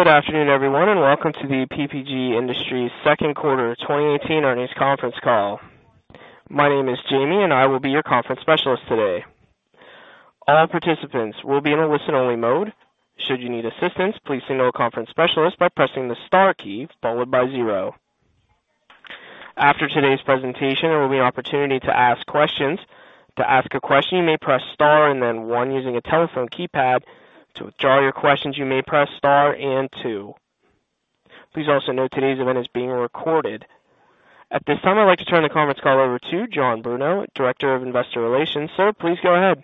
Good afternoon, everyone, and welcome to the PPG Industries second quarter 2018 earnings conference call. My name is Jamie, and I will be your conference specialist today. All participants will be in a listen-only mode. Should you need assistance, please signal a conference specialist by pressing the star key followed by zero. After today's presentation, there will be an opportunity to ask questions. To ask a question, you may press star and then one using a telephone keypad. To withdraw your questions, you may press star and two. Please also note today's event is being recorded. At this time, I'd like to turn the conference call over to John Bruno, Director of Investor Relations. Sir, please go ahead.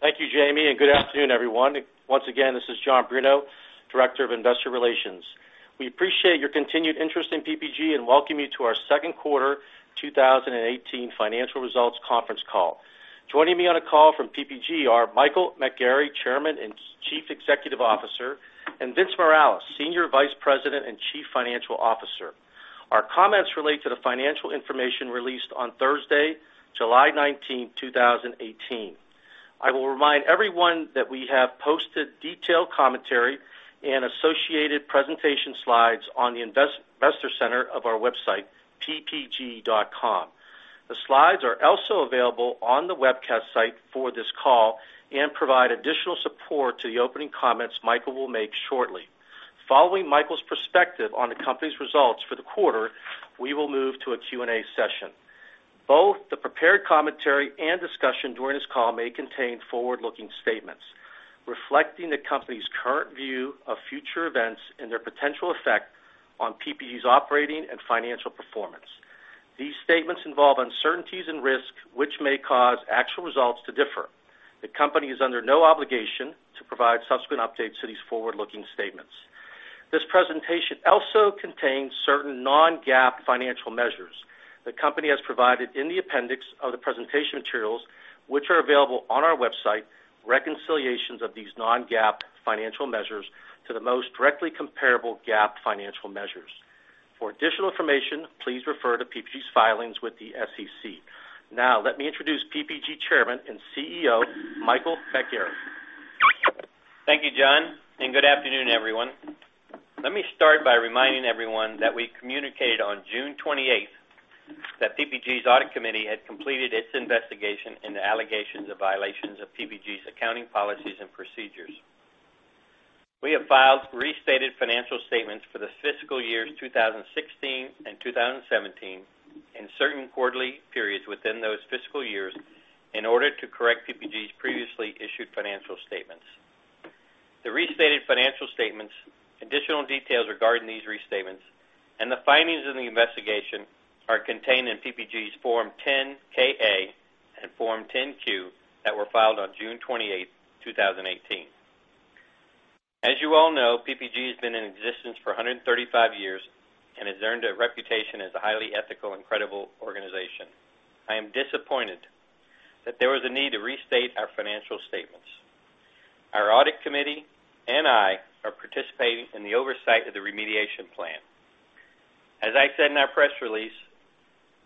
Thank you, Jamie. Good afternoon, everyone. Once again, this is John Bruno, Director of Investor Relations. We appreciate your continued interest in PPG and welcome you to our second quarter 2018 financial results conference call. Joining me on a call from PPG are Michael McGarry, Chairman and Chief Executive Officer, and Vince Morales, Senior Vice President and Chief Financial Officer. Our comments relate to the financial information released on Thursday, July 19, 2018. I will remind everyone that we have posted detailed commentary and associated presentation slides on the investor center of our website, ppg.com. The slides are also available on the webcast site for this call and provide additional support to the opening comments Michael will make shortly. Following Michael's perspective on the company's results for the quarter, we will move to a Q&A session. Both the prepared commentary and discussion during this call may contain forward-looking statements reflecting the company's current view of future events and their potential effect on PPG's operating and financial performance. These statements involve uncertainties and risks, which may cause actual results to differ. The company is under no obligation to provide subsequent updates to these forward-looking statements. This presentation also contains certain non-GAAP financial measures. The company has provided, in the appendix of the presentation materials, which are available on our website, reconciliations of these non-GAAP financial measures to the most directly comparable GAAP financial measures. For additional information, please refer to PPG's filings with the SEC. Let me introduce PPG Chairman and CEO, Michael McGarry. Thank you, John. Good afternoon, everyone. Let me start by reminding everyone that we communicated on June 28th that PPG's audit committee had completed its investigation into allegations of violations of PPG's accounting policies and procedures. We have filed restated financial statements for the fiscal years 2016 and 2017 and certain quarterly periods within those fiscal years in order to correct PPG's previously issued financial statements. The restated financial statements, additional details regarding these restatements, and the findings of the investigation are contained in PPG's Form 10-K/A and Form 10-Q that were filed on June 28th, 2018. As you all know, PPG has been in existence for 135 years and has earned a reputation as a highly ethical and credible organization. I am disappointed that there was a need to restate our financial statements. Our audit committee and I are participating in the oversight of the remediation plan. As I said in our press release,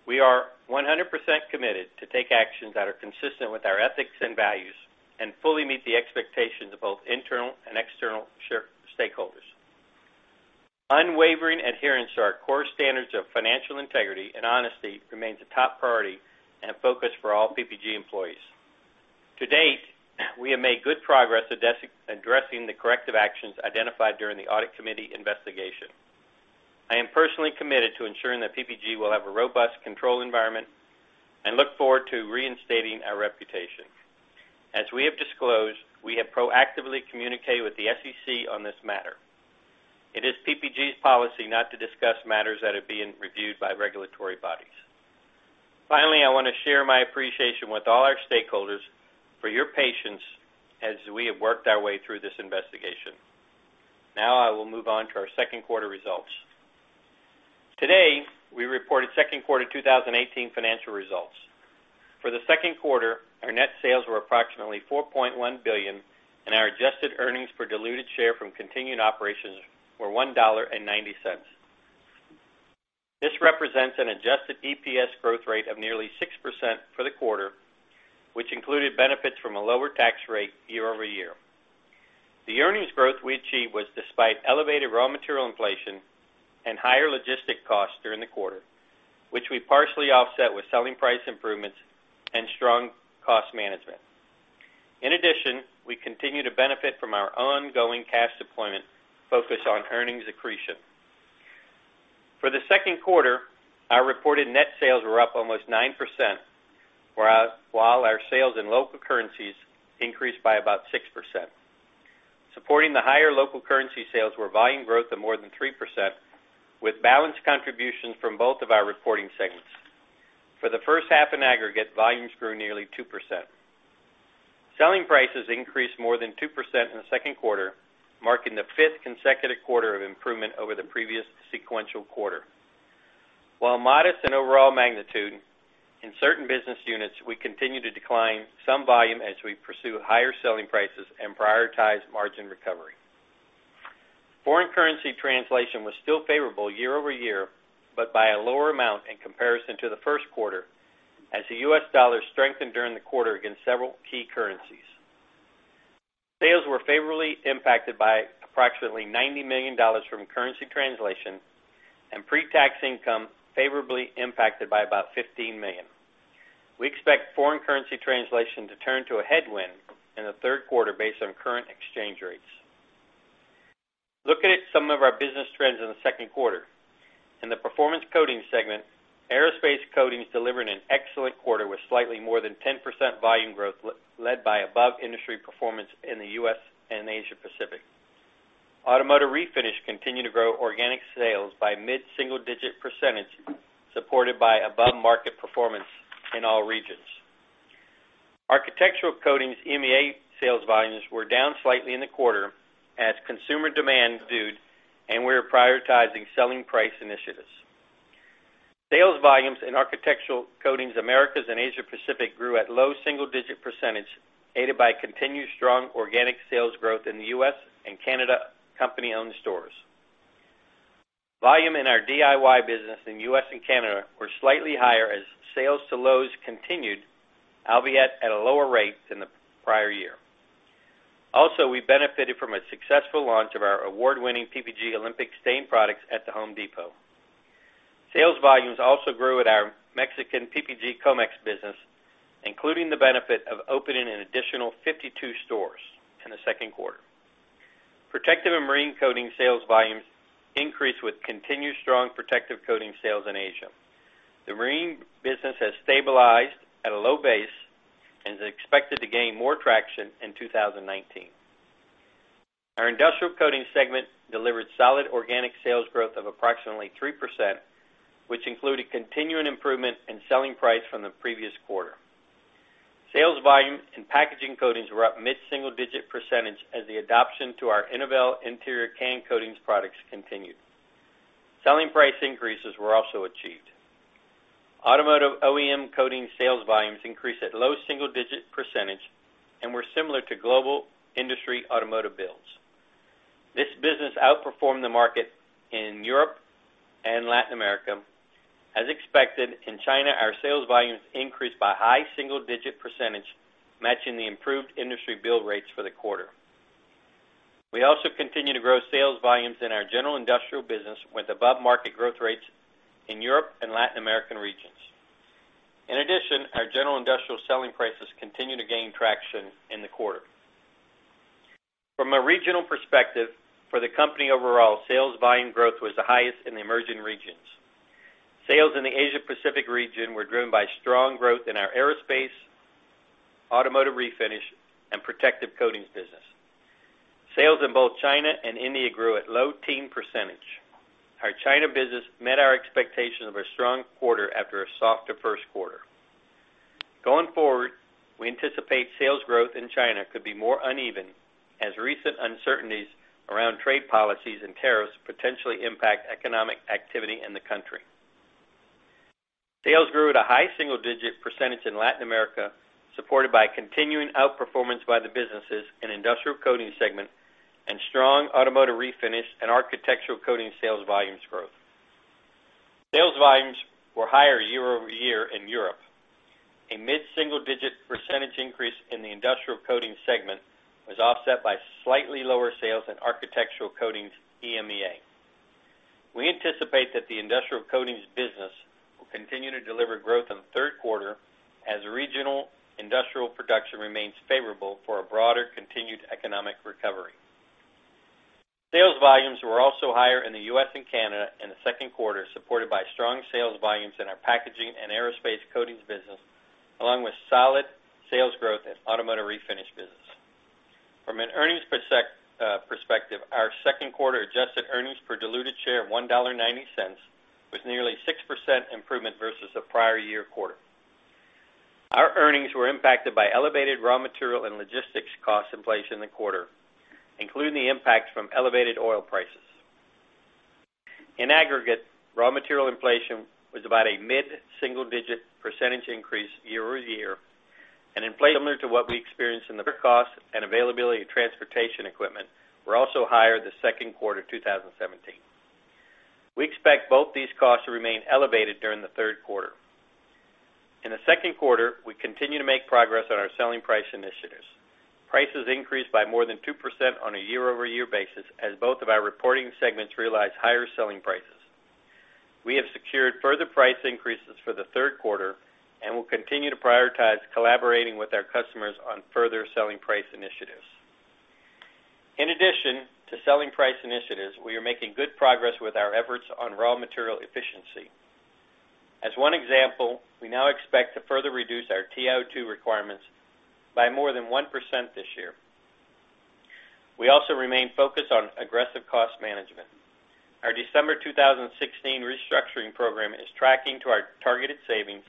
we are 100% committed to take actions that are consistent with our ethics and values and fully meet the expectations of both internal and external stakeholders. Unwavering adherence to our core standards of financial integrity and honesty remains a top priority and a focus for all PPG employees. To date, we have made good progress addressing the corrective actions identified during the audit committee investigation. I am personally committed to ensuring that PPG will have a robust control environment and look forward to reinstating our reputation. As we have disclosed, we have proactively communicated with the SEC on this matter. It is PPG's policy not to discuss matters that are being reviewed by regulatory bodies. Finally, I want to share my appreciation with all our stakeholders for your patience as we have worked our way through this investigation. I will move on to our second quarter results. Today, we reported second quarter 2018 financial results. For the second quarter, our net sales were approximately $4.1 billion and our adjusted earnings per diluted share from continued operations were $1.90. This represents an adjusted EPS growth rate of nearly 6% for the quarter, which included benefits from a lower tax rate year-over-year. The earnings growth we achieved was despite elevated raw material inflation and higher logistic costs during the quarter, which we partially offset with selling price improvements and strong cost management. In addition, we continue to benefit from our ongoing cash deployment focused on earnings accretion. For the second quarter, our reported net sales were up almost 9%, while our sales in local currencies increased by about 6%. Supporting the higher local currency sales were volume growth of more than 3% with balanced contributions from both of our reporting segments. For the first half in aggregate, volumes grew nearly 2%. Selling prices increased more than 2% in the second quarter, marking the fifth consecutive quarter of improvement over the previous sequential quarter. While modest in overall magnitude, in certain business units, we continue to decline some volume as we pursue higher selling prices and prioritize margin recovery. Foreign currency translation was still favorable year-over-year, but by a lower amount in comparison to the first quarter, as the U.S. dollar strengthened during the quarter against several key currencies. Sales were favorably impacted by approximately $90 million from currency translation and pre-tax income favorably impacted by about $15 million. We expect foreign currency translation to turn to a headwind in the third quarter based on current exchange rates. Looking at some of our business trends in the second quarter. In the Performance Coatings segment, aerospace coatings delivered an excellent quarter with slightly more than 10% volume growth led by above-industry performance in the U.S. and Asia Pacific. Automotive Refinish continued to grow organic sales by mid-single-digit percentage, supported by above-market performance in all regions. Architectural Coatings EMEA sales volumes were down slightly in the quarter as consumer demand subdued, and we are prioritizing selling price initiatives. Sales volumes in Architectural Coatings Americas and Asia Pacific grew at low single-digit percentage, aided by continued strong organic sales growth in the U.S. and Canada company-owned stores. Volume in our DIY business in U.S. and Canada were slightly higher as sales to Lowe's continued, albeit at a lower rate than the prior year. We benefited from a successful launch of our award-winning PPG Olympic stain products at The Home Depot. Sales volumes also grew at our Mexican PPG Comex business, including the benefit of opening an additional 52 stores in the second quarter. Protective and Marine Coatings sales volumes increased with continued strong protective coating sales in Asia. The marine business has stabilized at a low base and is expected to gain more traction in 2019. Our Industrial Coatings segment delivered solid organic sales growth of approximately 3%, which included continuing improvement in selling price from the previous quarter. Sales volume and packaging coatings were up mid-single digit percentage as the adoption to our Innovel interior can coatings products continued. Selling price increases were also achieved. Automotive OEM Coatings sales volumes increased at low single-digit percentage and were similar to global industry automotive builds. This business outperformed the market in Europe and Latin America. As expected, in China, our sales volumes increased by high single-digit percentage, matching the improved industry build rates for the quarter. We also continue to grow sales volumes in our general industrial business with above-market growth rates in Europe and Latin American regions. In addition, our general industrial selling prices continued to gain traction in the quarter. From a regional perspective, for the company overall, sales volume growth was the highest in the emerging regions. Sales in the Asia Pacific region were driven by strong growth in our aerospace, automotive refinish, and protective coatings business. Sales in both China and India grew at low teen percentage. Our China business met our expectations of a strong quarter after a softer first quarter. Going forward, we anticipate sales growth in China could be more uneven as recent uncertainties around trade policies and tariffs potentially impact economic activity in the country. Sales grew at a high single-digit percentage in Latin America, supported by continuing outperformance by the businesses in Industrial Coatings segment and strong Automotive Refinish and Architectural Coatings sales volumes growth. Sales volumes were higher year-over-year in Europe. A mid-single digit percentage increase in the Industrial Coatings segment was offset by slightly lower sales in Architectural Coatings EMEA. We anticipate that the Industrial Coatings business will continue to deliver growth in the third quarter as regional industrial production remains favorable for a broader continued economic recovery. Sales volumes were also higher in the U.S. and Canada in the second quarter, supported by strong sales volumes in our packaging and aerospace coatings business, along with solid sales growth in Automotive Refinish business. From an earnings perspective, our second quarter adjusted earnings per diluted share of $1.90 was nearly 6% improvement versus the prior year quarter. Our earnings were impacted by elevated raw material and logistics cost inflation in the quarter, including the impact from elevated oil prices. In aggregate, raw material inflation was about a mid-single digit percentage increase year-over-year, and similar to what we experienced. Costs and availability of transportation equipment were also higher this second quarter 2018. We expect both these costs to remain elevated during the third quarter. In the second quarter, we continued to make progress on our selling price initiatives. Prices increased by more than 2% on a year-over-year basis as both of our reporting segments realized higher selling prices. We have secured further price increases for the third quarter and will continue to prioritize collaborating with our customers on further selling price initiatives. In addition to selling price initiatives, we are making good progress with our efforts on raw material efficiency. As one example, we now expect to further reduce our TiO2 requirements by more than 1% this year. We also remain focused on aggressive cost management. Our December 2016 restructuring program is tracking to our targeted savings,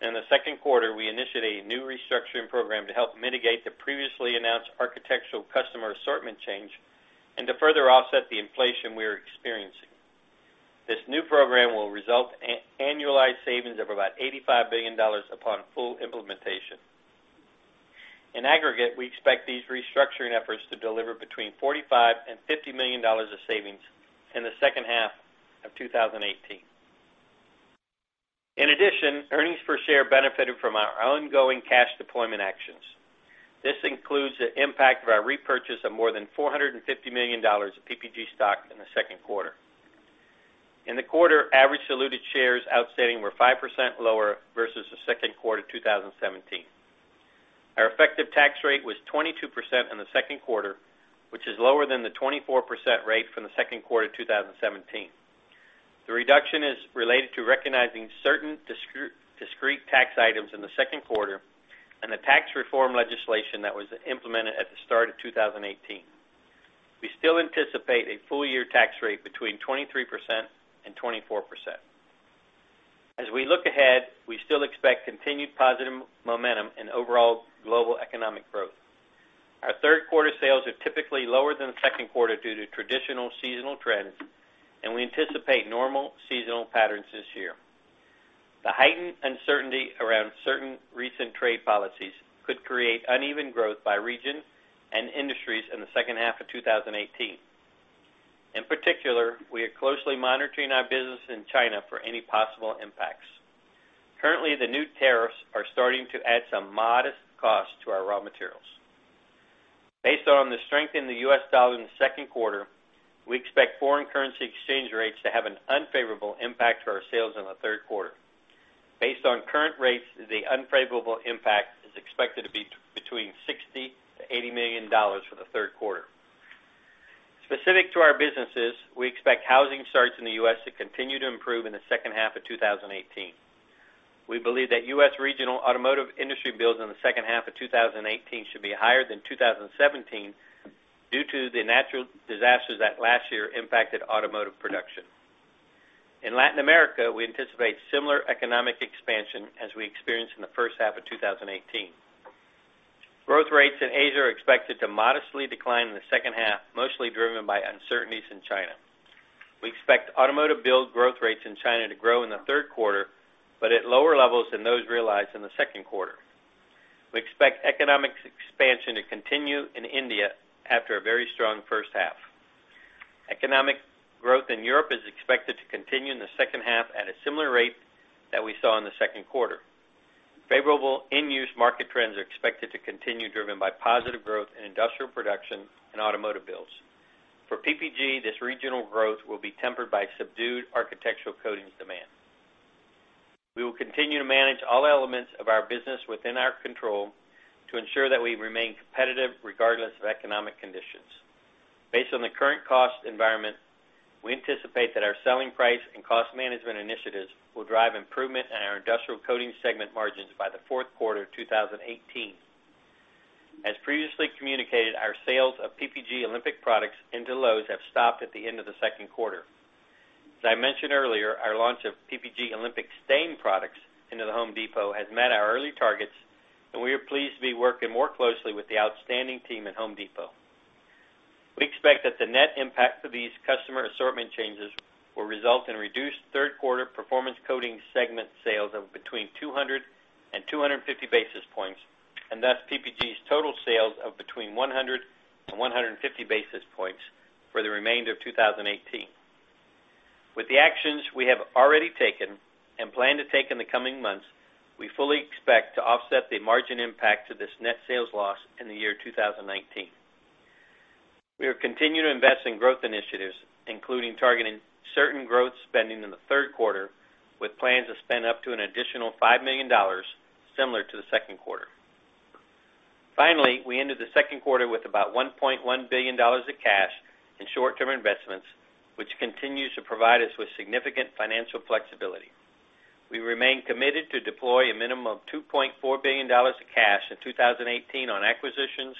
and in the second quarter, we initiated a new restructuring program to help mitigate the previously announced architectural customer assortment change and to further offset the inflation we are experiencing. This new program will result in annualized savings of about $85 million upon full implementation. In aggregate, we expect these restructuring efforts to deliver between $45 and $50 million of savings in the second half of 2018. In addition, earnings per share benefited from our ongoing cash deployment actions. This includes the impact of our repurchase of more than $450 million of PPG stock in the second quarter. In the quarter, average diluted shares outstanding were 5% lower versus the second quarter 2017. Our effective tax rate was 22% in the second quarter, which is lower than the 24% rate from the second quarter 2017. The reduction is related to recognizing certain discrete tax items in the second quarter and the tax reform legislation that was implemented at the start of 2018. We still anticipate a full year tax rate between 23% and 24%. As we look ahead, we still expect continued positive momentum in overall global economic growth. Our third quarter sales are typically lower than the second quarter due to traditional seasonal trends, and we anticipate normal seasonal patterns this year. The heightened uncertainty around certain recent trade policies could create uneven growth by region and industries in the second half of 2018. In particular, we are closely monitoring our business in China for any possible impacts. Currently, the new tariffs are starting to add some modest cost to our raw materials. Based on the strength in the U.S. dollar in the second quarter, we expect foreign currency exchange rates to have an unfavorable impact to our sales in the third quarter. Based on current rates, the unfavorable impact is expected to be between $60 to $80 million for the third quarter. Specific to our businesses, we expect housing starts in the U.S. to continue to improve in the second half of 2018. We believe that U.S. regional automotive industry builds in the second half of 2018 should be higher than 2017 due to the natural disasters that last year impacted automotive production. In Latin America, we anticipate similar economic expansion as we experienced in the first half of 2018. Growth rates in Asia are expected to modestly decline in the second half, mostly driven by uncertainties in China. We expect automotive build growth rates in China to grow in the third quarter, but at lower levels than those realized in the second quarter. We expect economic expansion to continue in India after a very strong first half. Economic growth in Europe is expected to continue in the second half at a similar rate that we saw in the second quarter. Favorable end-use market trends are expected to continue, driven by positive growth in industrial production and automotive builds. For PPG, this regional growth will be tempered by subdued architectural coatings demand. We will continue to manage all elements of our business within our control to ensure that we remain competitive regardless of economic conditions. Based on the current cost environment, we anticipate that our selling price and cost management initiatives will drive improvement in our Industrial Coatings segment margins by the fourth quarter of 2018. As previously communicated, our sales of PPG Olympic products into Lowe's have stopped at the end of the second quarter. As I mentioned earlier, our launch of PPG Olympic stain products into The Home Depot has met our early targets, and we are pleased to be working more closely with the outstanding team at Home Depot. We expect that the net impact of these customer assortment changes will result in reduced third quarter Performance Coatings segment sales of between 200 and 250 basis points, and thus PPG's total sales of between 100 and 150 basis points for the remainder of 2018. With the actions we have already taken and plan to take in the coming months, we fully expect to offset the margin impact to this net sales loss in the year 2019. We are continuing to invest in growth initiatives, including targeting certain growth spending in the third quarter, with plans to spend up to an additional $5 million, similar to the second quarter. Finally, we ended the second quarter with about $1.1 billion of cash and short-term investments, which continues to provide us with significant financial flexibility. We remain committed to deploy a minimum of $2.4 billion of cash in 2018 on acquisitions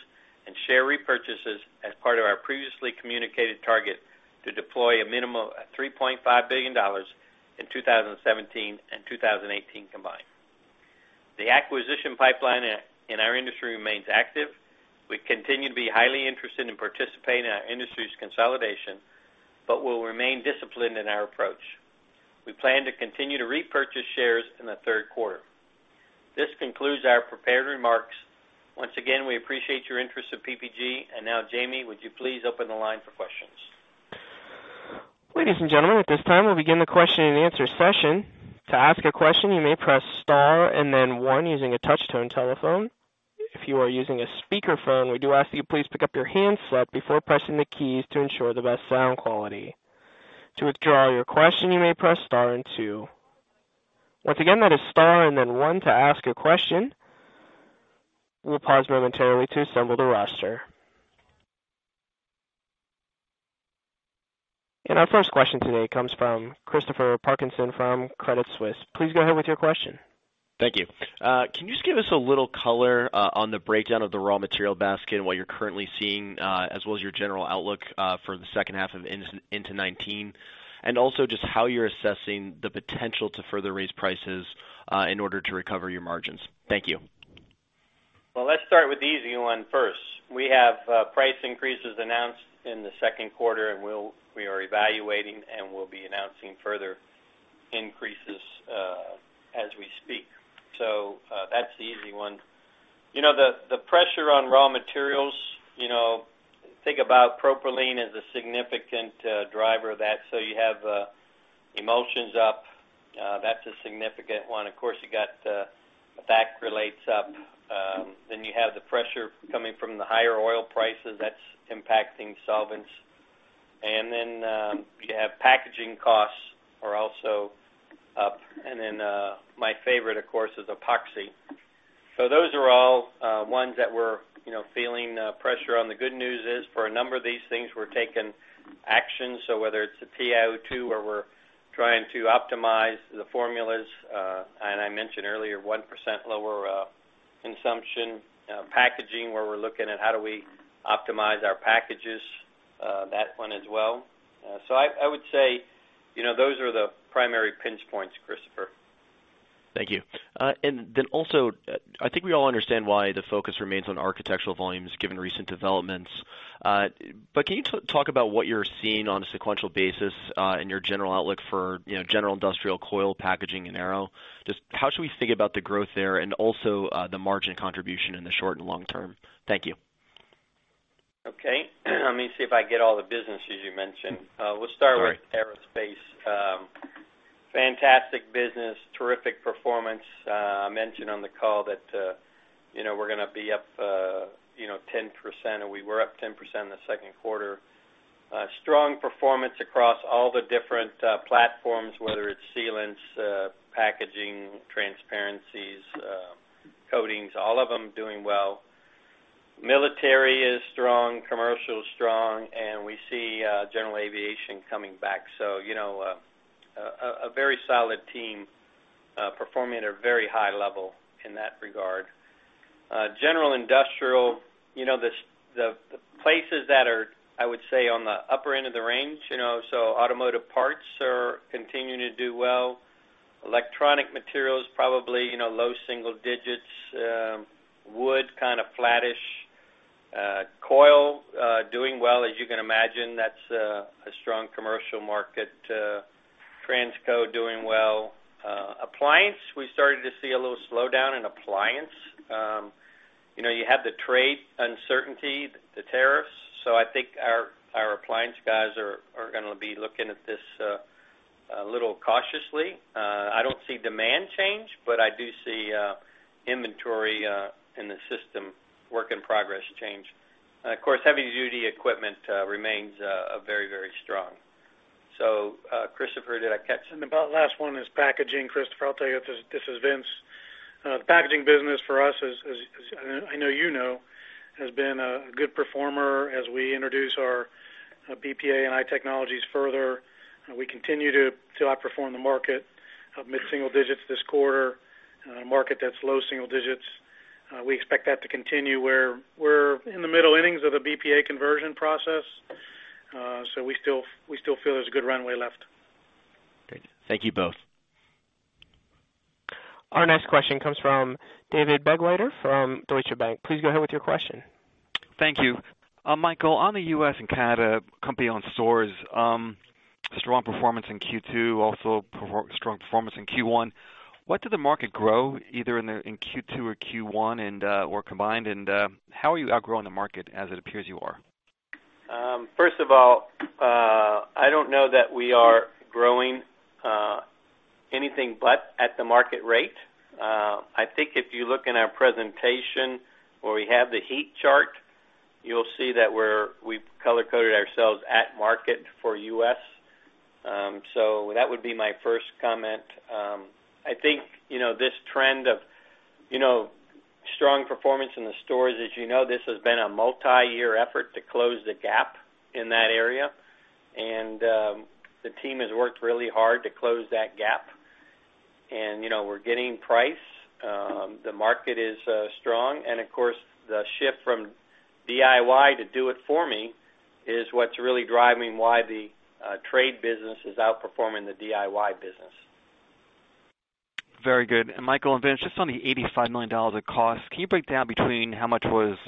and share repurchases as part of our previously communicated target to deploy a minimum of $3.5 billion in 2017 and 2018 combined. The acquisition pipeline in our industry remains active. We continue to be highly interested in participating in our industry's consolidation, we'll remain disciplined in our approach. We plan to continue to repurchase shares in the third quarter. This concludes our prepared remarks. Once again, we appreciate your interest in PPG. Now, Jamie, would you please open the line for questions? Ladies and gentlemen, at this time, we'll begin the question and answer session. To ask a question, you may press star and then one using a touch-tone telephone. If you are using a speakerphone, we do ask that you please pick up your handset before pressing the keys to ensure the best sound quality. To withdraw your question, you may press star and two. Once again, that is star and then one to ask a question. We'll pause momentarily to assemble the roster. Our first question today comes from Christopher Parkinson from Credit Suisse. Please go ahead with your question. Thank you. Can you just give us a little color on the breakdown of the raw material basket and what you're currently seeing, as well as your general outlook for the second half of into 2019, and also just how you're assessing the potential to further raise prices in order to recover your margins? Thank you. Well, let's start with the easy one first. We have price increases announced in the second quarter, we are evaluating and will be announcing further increases As we speak. That's the easy one. The pressure on raw materials, think about propylene as a significant driver of that. You have emulsions up. That's a significant one. Of course, you got acrylates up. You have the pressure coming from the higher oil prices, that's impacting solvents. You have packaging costs are also up. My favorite, of course, is epoxy. Those are all ones that we're feeling pressure on. The good news is, for a number of these things, we're taking action. Whether it's the TiO2, where we're trying to optimize the formulas, and I mentioned earlier, 1% lower consumption. Packaging, where we're looking at how do we optimize our packages, that one as well. I would say, those are the primary pinch points, Christopher. Thank you. Also, I think we all understand why the focus remains on architectural volumes given recent developments. Can you talk about what you're seeing on a sequential basis, in your general outlook for general industrial coil packaging and aero? Just how should we think about the growth there and also, the margin contribution in the short and long term? Thank you. Okay. Let me see if I get all the businesses you mentioned. Sorry. We'll start with aerospace. Fantastic business, terrific performance. I mentioned on the call that we're going to be up 10%, and we were up 10% in the second quarter. Strong performance across all the different platforms, whether it's sealants, packaging, transparencies, coatings, all of them doing well. Military is strong, commercial is strong, and we see general aviation coming back. A very solid team, performing at a very high level in that regard. General industrial. The places that are, I would say, on the upper end of the range. Automotive parts are continuing to do well. Electronic materials, probably low single digits. Wood, kind of flattish. Coil, doing well, as you can imagine. That's a strong commercial market. Transco doing well. Appliance, we started to see a little slowdown in appliance. You have the trade uncertainty, the tariffs. I think our appliance guys are going to be looking at this a little cautiously. I don't see demand change, but I do see inventory in the system, work in progress change. Of course, heavy duty equipment remains very strong. Christopher, did I catch- About last one is packaging, Christopher. I'll tell you, this is Vince. The packaging business for us, as I know you know, has been a good performer as we introduce our BPA-NI and high technologies further. We continue to outperform the market of mid-single digits this quarter. Market that's low single digits. We expect that to continue. We're in the middle innings of the BPA-NI conversion process. We still feel there's a good runway left. Great. Thank you both. Our next question comes from David Begleiter from Deutsche Bank. Please go ahead with your question. Thank you. Michael, on the U.S. and Canada company-owned stores, strong performance in Q2, also strong performance in Q1. What did the market grow, either in Q2 or Q1, or combined? How are you outgrowing the market as it appears you are? First of all, I don't know that we are growing anything but at the market rate. I think if you look in our presentation where we have the heat chart, you'll see that we've color-coded ourselves at market for U.S. That would be my first comment. I think, this trend of strong performance in the stores, as you know, this has been a multi-year effort to close the gap in that area, and the team has worked really hard to close that gap. We're getting price. The market is strong. Of course, the shift from DIY to do it for me is what's really driving why the trade business is outperforming the DIY business. Very good. Michael and Vince, just on the $85 million of cost, can you break down between how much was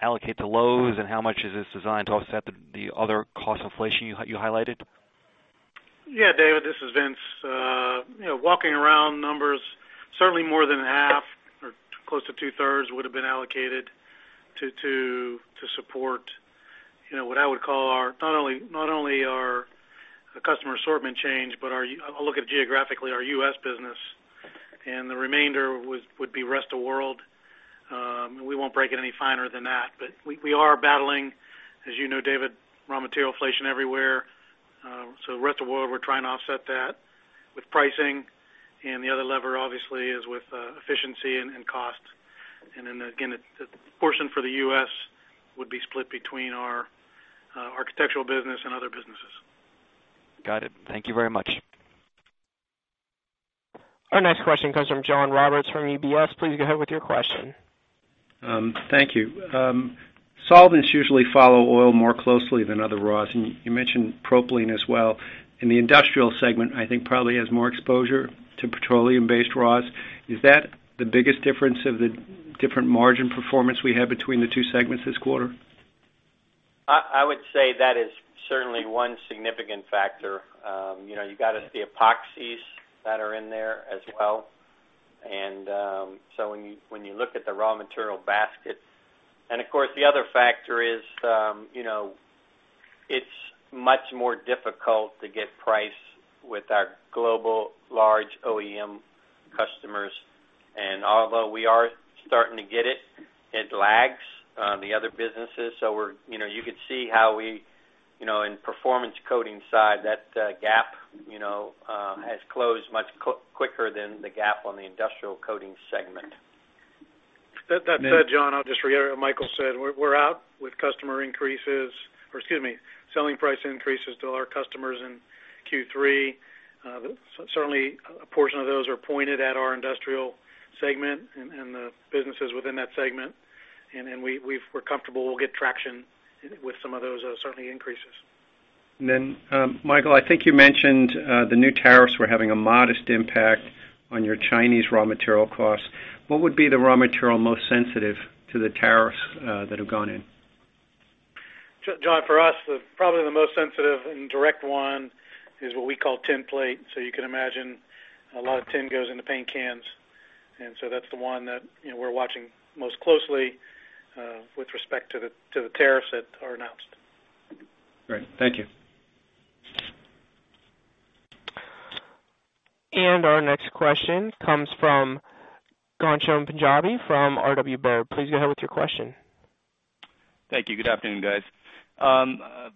allocated to Lowe's and how much is this designed to offset the other cost inflation you highlighted? Yeah, David, this is Vince. Walking around numbers, certainly more than half or close to two-thirds would've been allocated to support what I would call not only our customer assortment change, but look at geographically, our U.S. business. The remainder would be rest of world. We won't break it any finer than that. We are battling, as you know, David, raw material inflation everywhere. Rest of world, we're trying to offset that with pricing, and the other lever, obviously, is with efficiency and cost. Then again, the portion for the U.S. would be split between our architectural business and other businesses. Got it. Thank you very much. Our next question comes from John Roberts from UBS. Please go ahead with your question. Thank you. Solvents usually follow oil more closely than other raws, and you mentioned propylene as well. In the Industrial segment, I think probably has more exposure to petroleum-based raws. Is that the biggest difference of the different margin performance we have between the two segments this quarter? I would say that is certainly one significant factor. You got the epoxies that are in there as well. When you look at the raw material basket. The other factor is, it's much more difficult to get price with our global large OEM customers. Although we are starting to get it lags the other businesses. You could see how we, in Performance Coatings side, that gap has closed much quicker than the gap on the Industrial Coatings segment. That said, John, I'll just reiterate what Michael said. We're out with customer increases, or excuse me, selling price increases to all our customers in Q3. Certainly, a portion of those are pointed at our Industrial segment and the businesses within that segment. We're comfortable we'll get traction with some of those, certainly, increases. Michael, I think you mentioned the new tariffs were having a modest impact on your Chinese raw material costs. What would be the raw material most sensitive to the tariffs that have gone in? John, for us, probably the most sensitive and direct one is what we call tin plate. You can imagine a lot of tin goes into paint cans. That's the one that we're watching most closely, with respect to the tariffs that are announced. Great. Thank you. Our next question comes from Ghansham Panjabi from RW Baird. Please go ahead with your question. Thank you. Good afternoon, guys.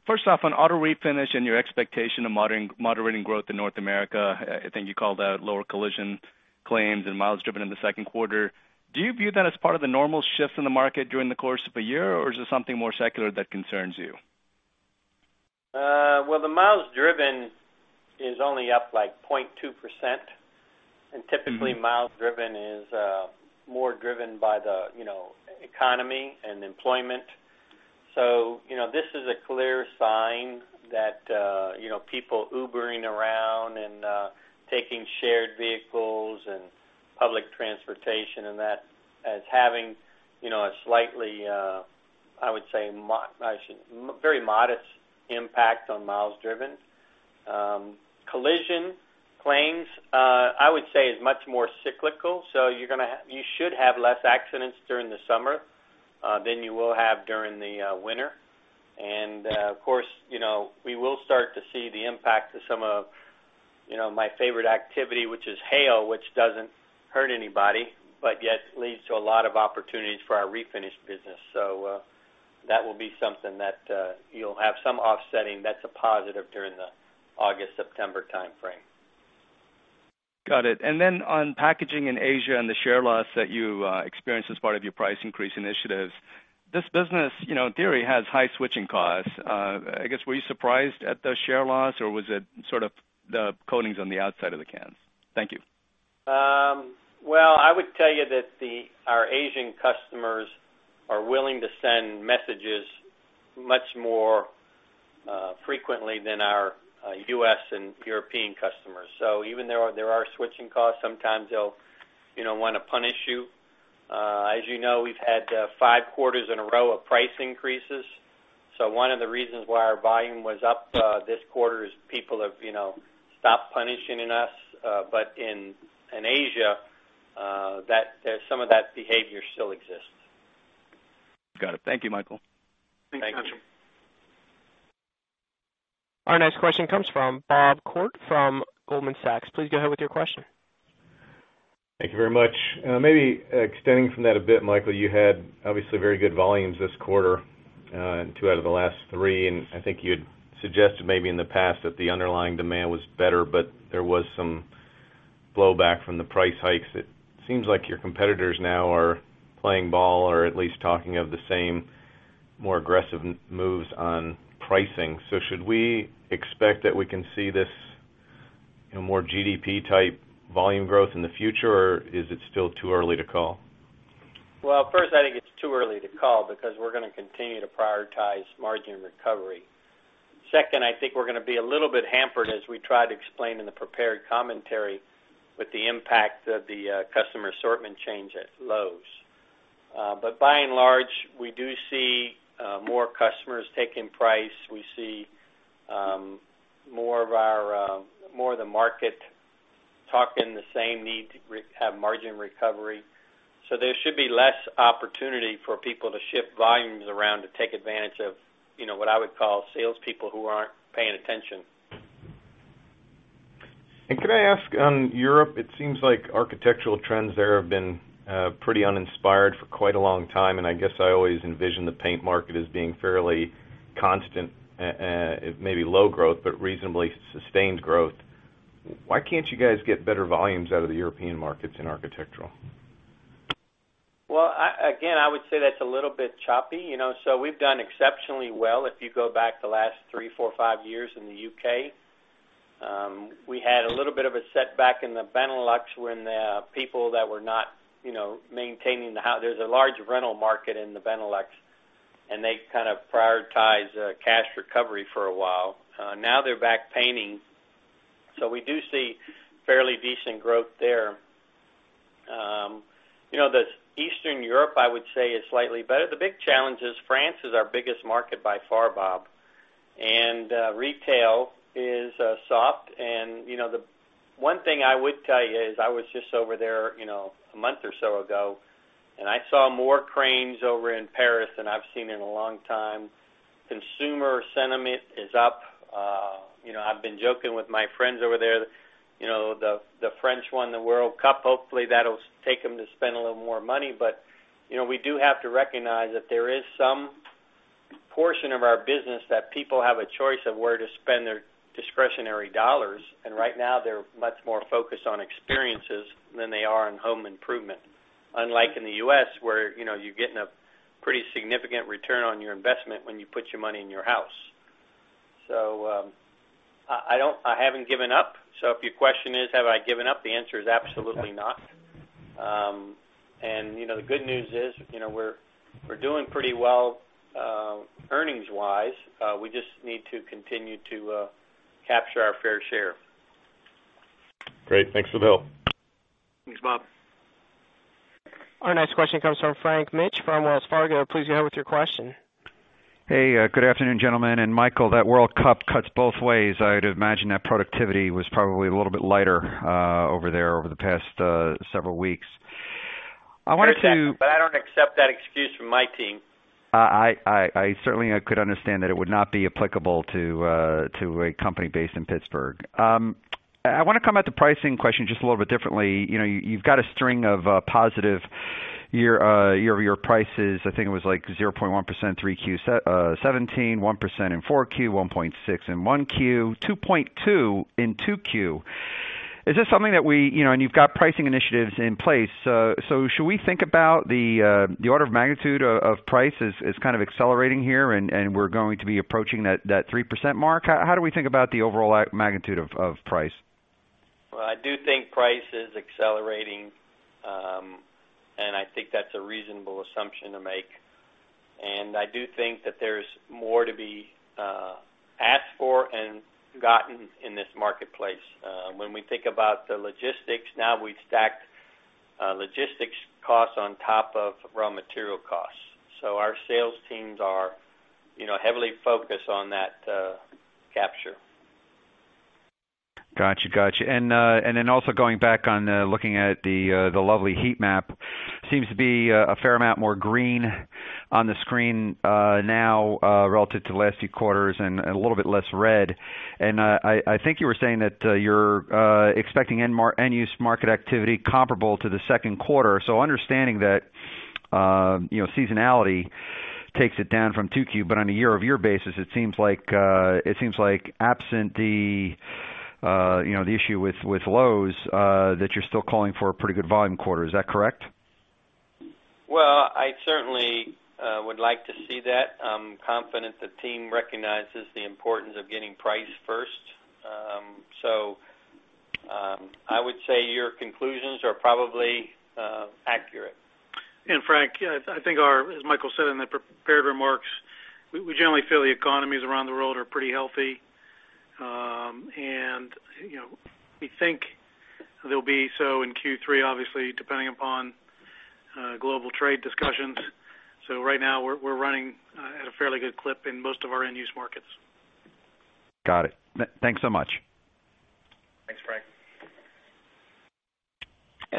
First off, on Auto Refinish and your expectation of moderating growth in North America, I think you called out lower collision claims and miles driven in the second quarter. Do you view that as part of the normal shift in the market during the course of a year, or is it something more secular that concerns you? The miles driven is only up like 0.2%. Typically, miles driven is more driven by the economy and employment. This is a clear sign that people Ubering around and taking shared vehicles and public transportation, and that as having a slightly, I would say, very modest impact on miles driven. Collision claims, I would say is much more cyclical. You should have less accidents during the summer than you will have during the winter. Of course, we will start to see the impact to some of my favorite activity, which is hail, which doesn't hurt anybody, but yet leads to a lot of opportunities for our refinish business. That will be something that you'll have some offsetting that's a positive during the August-September timeframe. Got it. Then on packaging in Asia and the share loss that you experienced as part of your price increase initiatives, this business, in theory, has high switching costs. I guess, were you surprised at the share loss, or was it sort of the coatings on the outside of the cans? Thank you. I would tell you that our Asian customers are willing to send messages much more frequently than our U.S. and European customers. Even though there are switching costs, sometimes they'll want to punish you. As you know, we've had five quarters in a row of price increases. One of the reasons why our volume was up this quarter is people have stopped punishing us. In Asia, some of that behavior still exists. Got it. Thank you, Michael. Thanks, Ghansham. Thank you. Our next question comes from Bob Koort from Goldman Sachs. Please go ahead with your question. Thank you very much. Maybe extending from that a bit, Michael, you had obviously very good volumes this quarter, two out of the last three, and I think you had suggested maybe in the past that the underlying demand was better, but there was some blowback from the price hikes. It seems like your competitors now are playing ball or at least talking of the same more aggressive moves on pricing. Should we expect that we can see this more GDP type volume growth in the future, or is it still too early to call? First, I think it's too early to call because we're going to continue to prioritize margin recovery. Second, I think we're going to be a little bit hampered as we tried to explain in the prepared commentary with the impact of the customer assortment change at Lowe's. By and large, we do see more customers taking price. We see more of the market talking the same need to have margin recovery. There should be less opportunity for people to shift volumes around to take advantage of what I would call salespeople who aren't paying attention. Could I ask on Europe, it seems like architectural trends there have been pretty uninspired for quite a long time, and I guess I always envision the paint market as being fairly constant, maybe low growth, but reasonably sustained growth. Why can't you guys get better volumes out of the European markets in architectural? Again, I would say that's a little bit choppy. We've done exceptionally well if you go back the last three, four, five years in the U.K. We had a little bit of a setback in the Benelux when the people that were not maintaining the There's a large rental market in the Benelux, and they kind of prioritized cash recovery for a while. Now they're back painting. We do see fairly decent growth there. Eastern Europe, I would say, is slightly better. The big challenge is France is our biggest market by far, Bob, and retail is soft. The one thing I would tell you is I was just over there a month or so ago, and I saw more cranes over in Paris than I've seen in a long time. Consumer sentiment is up. I've been joking with my friends over there. The French won the World Cup. Hopefully, that'll take them to spend a little more money. We do have to recognize that there is some portion of our business that people have a choice of where to spend their discretionary dollars. Right now, they're much more focused on experiences than they are on home improvement. Unlike in the U.S., where you're getting a pretty significant return on your investment when you put your money in your house. I haven't given up. If your question is, have I given up? The answer is absolutely not. The good news is we're doing pretty well, earnings-wise. We just need to continue to capture our fair share. Great. Thanks for the help. Thanks, Bob. Our next question comes from Frank Mitsch from Wells Fargo. Please go ahead with your question. Hey, good afternoon, gentlemen. Michael, that World Cup cuts both ways. I would imagine that productivity was probably a little bit lighter over there over the past several weeks. I don't accept that excuse from my team. I certainly could understand that it would not be applicable to a company based in Pittsburgh. I want to come at the pricing question just a little bit differently. You've got a string of positive year-over-year prices. I think it was like 0.1% in 3Q 2017, 1% in 4Q, 1.6% in 1Q, 2.2% in 2Q. Is this something that we? You've got pricing initiatives in place. Should we think about the order of magnitude of price as kind of accelerating here, and we're going to be approaching that 3% mark? How do we think about the overall magnitude of price? Well, I do think price is accelerating, and I think that's a reasonable assumption to make. I do think that there's more to be asked for and gotten in this marketplace. When we think about the logistics now, we've stacked logistics costs on top of raw material costs. Our sales teams are heavily focused on that capture. Got you. Also going back on looking at the lovely heat map, seems to be a fair amount more green on the screen now, relative to last few quarters, and a little bit less red. I think you were saying that you're expecting end-use market activity comparable to the second quarter. Understanding that seasonality takes it down from 2Q, but on a year-over-year basis, it seems like absent the issue with Lowe's, that you're still calling for a pretty good volume quarter. Is that correct? Well, I certainly would like to see that. I'm confident the team recognizes the importance of getting price first. I would say your conclusions are probably accurate. Frank, I think as Michael said in the prepared remarks, we generally feel the economies around the world are pretty healthy. We think they'll be so in Q3, obviously, depending upon global trade discussions. Right now, we're running at a fairly good clip in most of our end-use markets. Got it. Thanks so much. Thanks, Frank.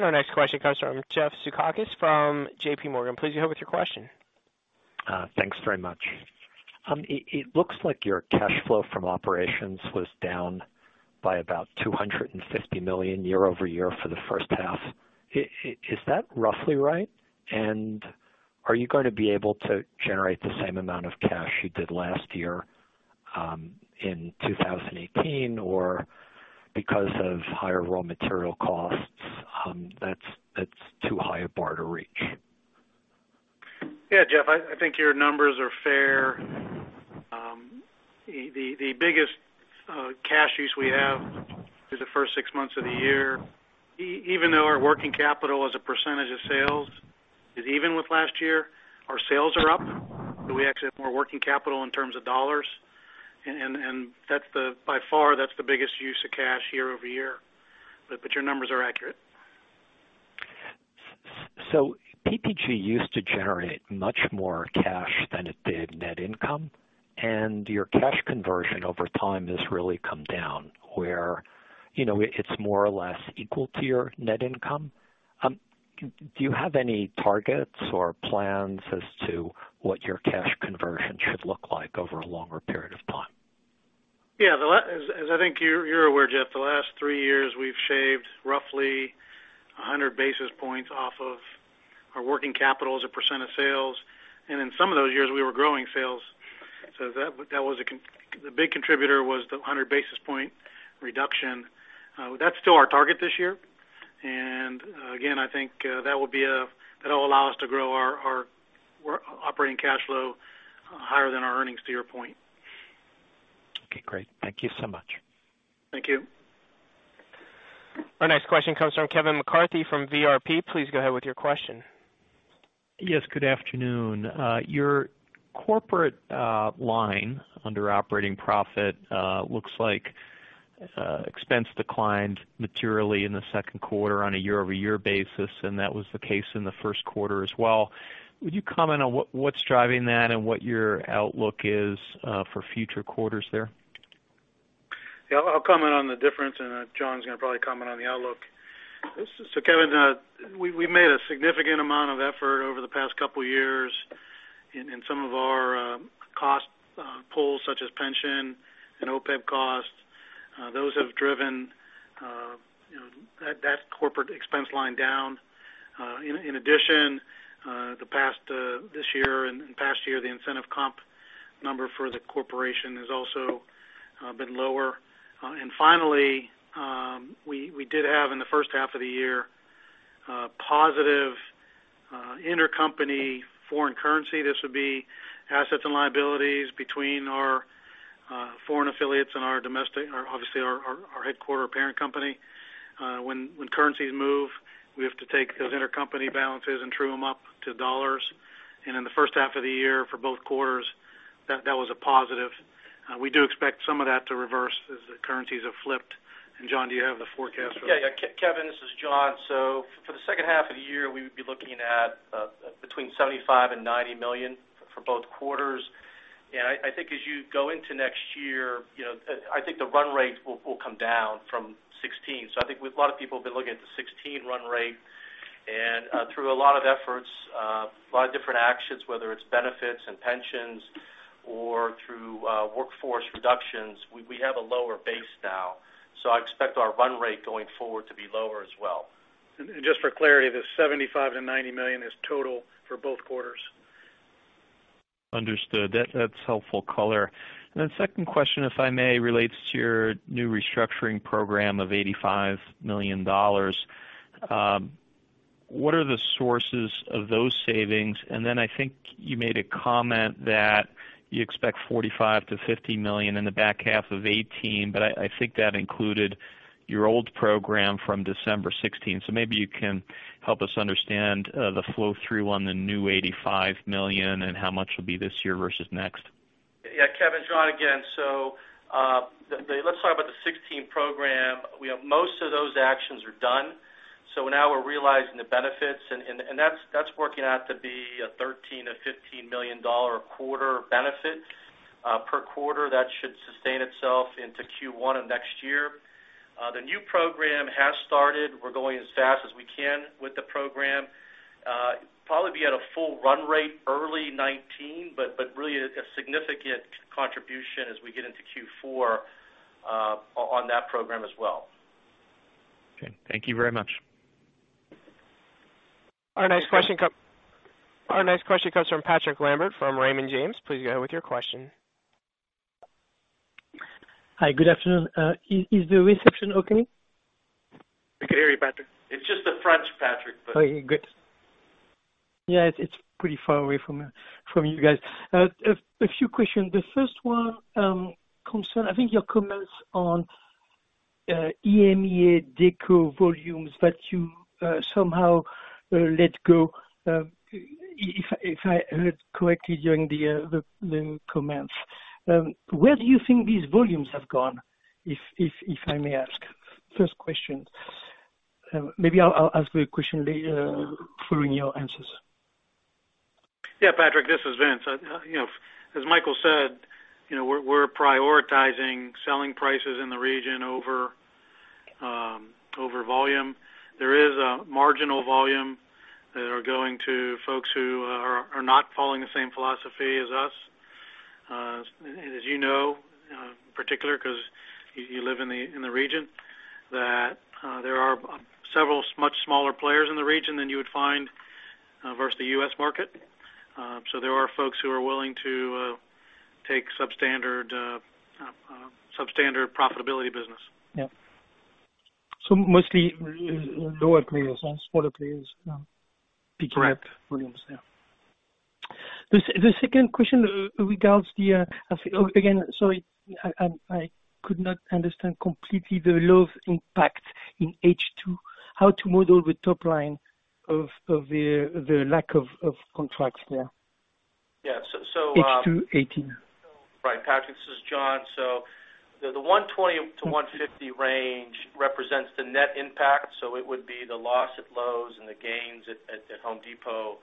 Our next question comes from Jeff Zekauskas from J.P. Morgan. Please go ahead with your question. Thanks very much. It looks like your cash flow from operations was down by about $250 million year-over-year for the first half. Is that roughly right? Are you going to be able to generate the same amount of cash you did last year in 2018? Because of higher raw material costs, that's too high a bar to reach? Yeah, Jeff, I think your numbers are fair. The biggest cash use we have is the first six months of the year. Even though our working capital as a percentage of sales is even with last year, our sales are up, so we actually have more working capital in terms of dollars. By far, that's the biggest use of cash year-over-year. Your numbers are accurate. PPG used to generate much more cash than it did net income, and your cash conversion over time has really come down, where it's more or less equal to your net income. Do you have any targets or plans as to what your cash conversion should look like over a longer period of time? Yeah. As I think you're aware, Jeff, the last three years, we've shaved roughly 100 basis points off of our working capital as a percent of sales. In some of those years, we were growing sales. The big contributor was the 100 basis point reduction. That's still our target this year. Again, I think that'll allow us to grow our operating cash flow higher than our earnings, to your point. Okay, great. Thank you so much. Thank you. Our next question comes from Kevin McCarthy from VRP. Please go ahead with your question. Yes, good afternoon. Your corporate line under operating profit looks like expense declined materially in the second quarter on a year-over-year basis, and that was the case in the first quarter as well. Would you comment on what's driving that and what your outlook is for future quarters there? Yeah, I'll comment on the difference and then John's going to probably comment on the outlook. Kevin, we've made a significant amount of effort over the past couple of years in some of our cost pools such as pension and OPEB costs. Those have driven that corporate expense line down. In addition, this year and past year, the incentive comp number for the corporation has also been lower. Finally, we did have in the first half of the year, positive intercompany foreign currency. This would be assets and liabilities between our foreign affiliates and our domestic, obviously our headquarter parent company. When currencies move, we have to take those intercompany balances and true them up to $. In the first half of the year for both quarters, that was a positive. We do expect some of that to reverse as the currencies have flipped. John, do you have the forecast for that? Yeah, Kevin, this is John. For the second half of the year, we would be looking at between $75 million and $90 million for both quarters. I think as you go into next year, I think the run rate will come down from 16. I think a lot of people have been looking at the 16 run rate, and through a lot of efforts, a lot of different actions, whether it's benefits and pensions or through workforce reductions, we have a lower base now. I expect our run rate going forward to be lower as well. Just for clarity, the $75 million-$90 million is total for both quarters. Understood. That's helpful color. Second question, if I may, relates to your new restructuring program of $85 million. What are the sources of those savings? I think you made a comment that you expect $45 million-$50 million in the back half of 2018, but I think that included your old program from December 2016. Maybe you can help us understand the flow through on the new $85 million and how much will be this year versus next. Yeah, Kevin, John again. Let's talk about the 2016 program. Most of those actions are done. Now we're realizing the benefits, and that's working out to be a $13 million-$15 million a quarter benefit per quarter that should sustain itself into Q1 of next year. The new program has started. We're going as fast as we can with the program. Probably be at a full run rate early 2019, but really a significant contribution as we get into Q4 on that program as well. Okay. Thank you very much. Our next question comes from Patrick Lambert from Raymond James. Please go ahead with your question. Hi, good afternoon. Is the reception okay? We can hear you, Patrick. It's just the French, Patrick. Okay, good. Yeah, it's pretty far away from you guys. A few questions. The first one concerns, I think your comments on EMEA Deco volumes that you somehow let go, if I heard correctly during the comments. Where do you think these volumes have gone, if I may ask? First question. Maybe I'll ask the question later following your answers. Yeah, Patrick, this is Vince. As Michael said, we're prioritizing selling prices in the region over volume. There is a marginal volume that are going to folks who are not following the same philosophy as us. As you know, in particular because you live in the region, that there are several much smaller players in the region than you would find versus the U.S. market. There are folks who are willing to take substandard profitability business. Yeah. Mostly lower players, smaller players picking up volumes. Correct. The second question regards the Again, sorry, I could not understand completely the Lowe's impact in H2, how to model the top line of the lack of contracts there. Yeah. H2 2018. Right. Patrick, this is John. The $120-$150 range represents the net impact. It would be the loss at Lowe's and the gains at The Home Depot,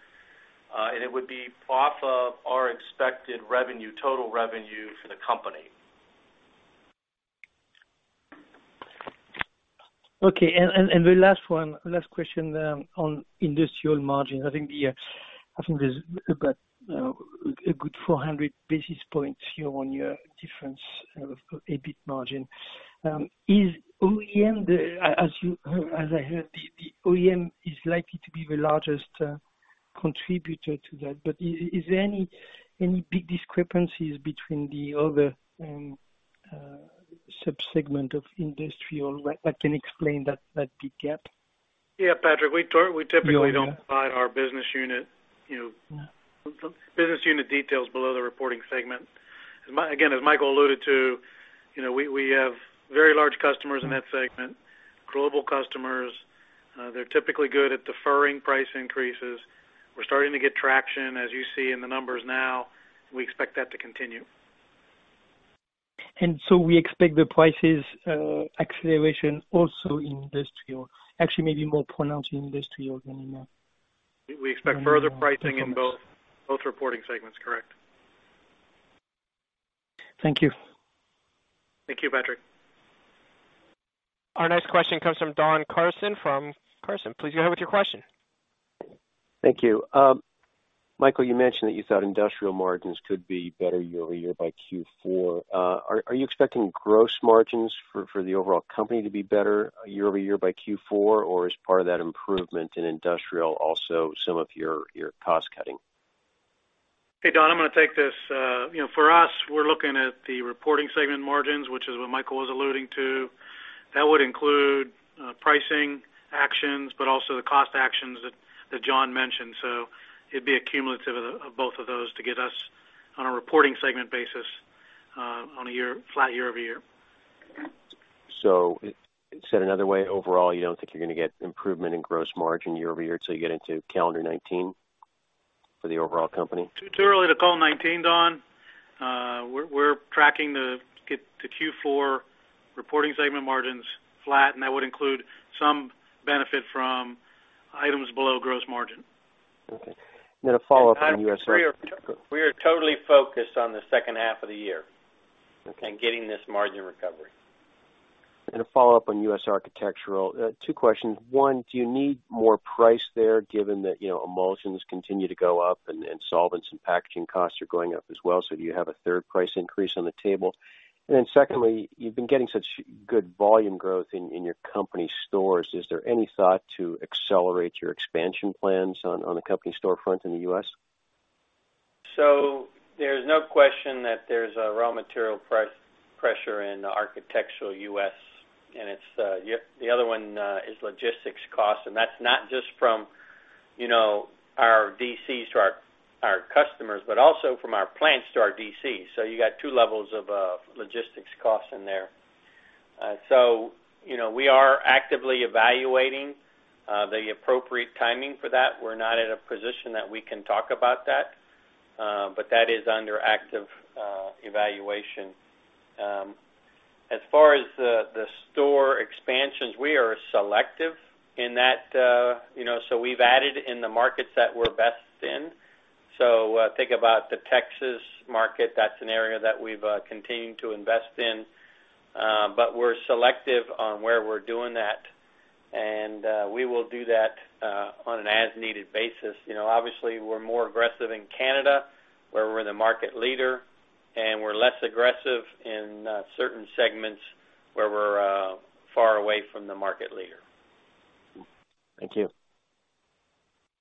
and it would be off of our expected revenue, total revenue for the company. Okay. The last one, last question on industrial margins. I think there's about a good 400 basis points year-on-year difference of EBIT margin. As I heard, the OEM is likely to be the largest contributor to that. Is there any big discrepancies between the other sub-segment of industrial that can explain that big gap? Yeah, Patrick, we typically don't provide our business unit details below the reporting segment. Again, as Michael alluded to, we have very large customers in that segment, global customers. They're typically good at deferring price increases. We're starting to get traction, as you see in the numbers now. We expect that to continue. We expect the prices acceleration also in Industrial Coatings. Actually, maybe more pronounced in Industrial Coatings than in- We expect further pricing in both reporting segments. Correct. Thank you. Thank you, Patrick. Our next question comes from Don Carson from Susquehanna. Please go ahead with your question. Thank you. Michael, you mentioned that you thought Industrial margins could be better year-over-year by Q4. Are you expecting gross margins for the overall company to be better year-over-year by Q4, or is part of that improvement in Industrial also some of your cost cutting? Hey, Don, I'm going to take this. For us, we're looking at the reporting segment margins, which is what Michael was alluding to. That would include pricing actions, but also the cost actions that John mentioned. It'd be a cumulative of both of those to get us on a reporting segment basis on a flat year-over-year. Said another way, overall, you don't think you're going to get improvement in gross margin year-over-year till you get into calendar 2019 for the overall company? Too early to call 2019, Don. We're tracking the Q4 reporting segment margins flat, that would include some benefit from items below gross margin. Okay. A follow-up on U.S.- We are totally focused on the second half of the year. Okay. Getting this margin recovery. A follow-up on U.S. Architectural. Two questions. One, do you need more price there given that emulsions continue to go up and solvents and packaging costs are going up as well, do you have a third price increase on the table? Secondly, you've been getting such good volume growth in your company stores. Is there any thought to accelerate your expansion plans on the company storefront in the U.S.? There's no question that there's a raw material price pressure in Architectural U.S., and the other one is logistics cost, and that's not just from our DCs to our customers, but also from our plants to our DCs. You got two levels of logistics cost in there. We are actively evaluating the appropriate timing for that. We're not in a position that we can talk about that. That is under active evaluation. As far as the store expansions, we are selective in that. We've added in the markets that we're best in. Think about the Texas market. That's an area that we've continued to invest in. We're selective on where we're doing that, and we will do that on an as-needed basis. Obviously, we're more aggressive in Canada, where we're the market leader, and we're less aggressive in certain segments where we're far away from the market leader. Thank you.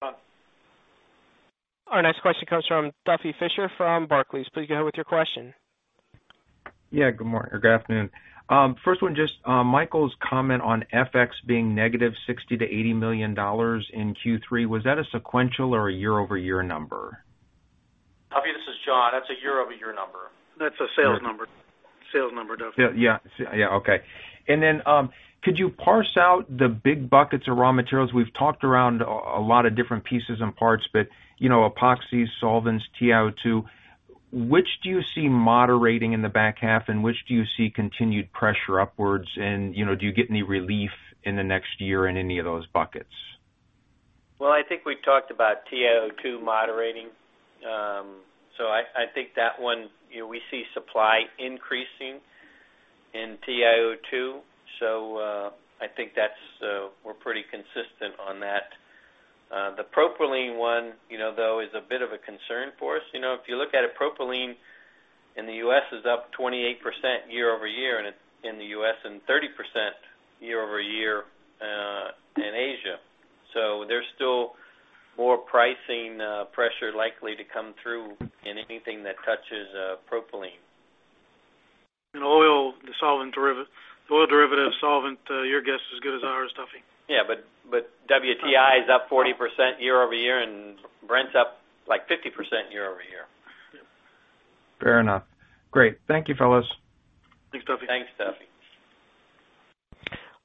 Don. Our next question comes from Duffy Fischer from Barclays. Please go ahead with your question. Yeah. Good morning or good afternoon. First one, just Michael's comment on FX being negative $60 million-$80 million in Q3. Was that a sequential or a year-over-year number? Duffy, this is John. That's a year-over-year number. That's a sales number. Sales number, Duffy. Yeah. Okay. Could you parse out the big buckets of raw materials? We've talked around a lot of different pieces and parts, but epoxies, solvents, TiO2, which do you see moderating in the back half, and which do you see continued pressure upwards? Do you get any relief in the next year in any of those buckets? Well, I think we've talked about TiO2 moderating. I think that one, we see supply increasing in TiO2. I think we're pretty consistent on that. The propylene one, though, is a bit of a concern for us. If you look at it, propylene in the U.S. is up 28% year-over-year in the U.S., and 30% year-over-year in Asia. There's still more pricing pressure likely to come through in anything that touches propylene. In oil derivative solvent, your guess is as good as ours, Duffy. Yeah, WTI is up 40% year-over-year, and Brent's up 50% year-over-year. Fair enough. Great. Thank you, fellas. Thanks, Duffy. Thanks, Duffy.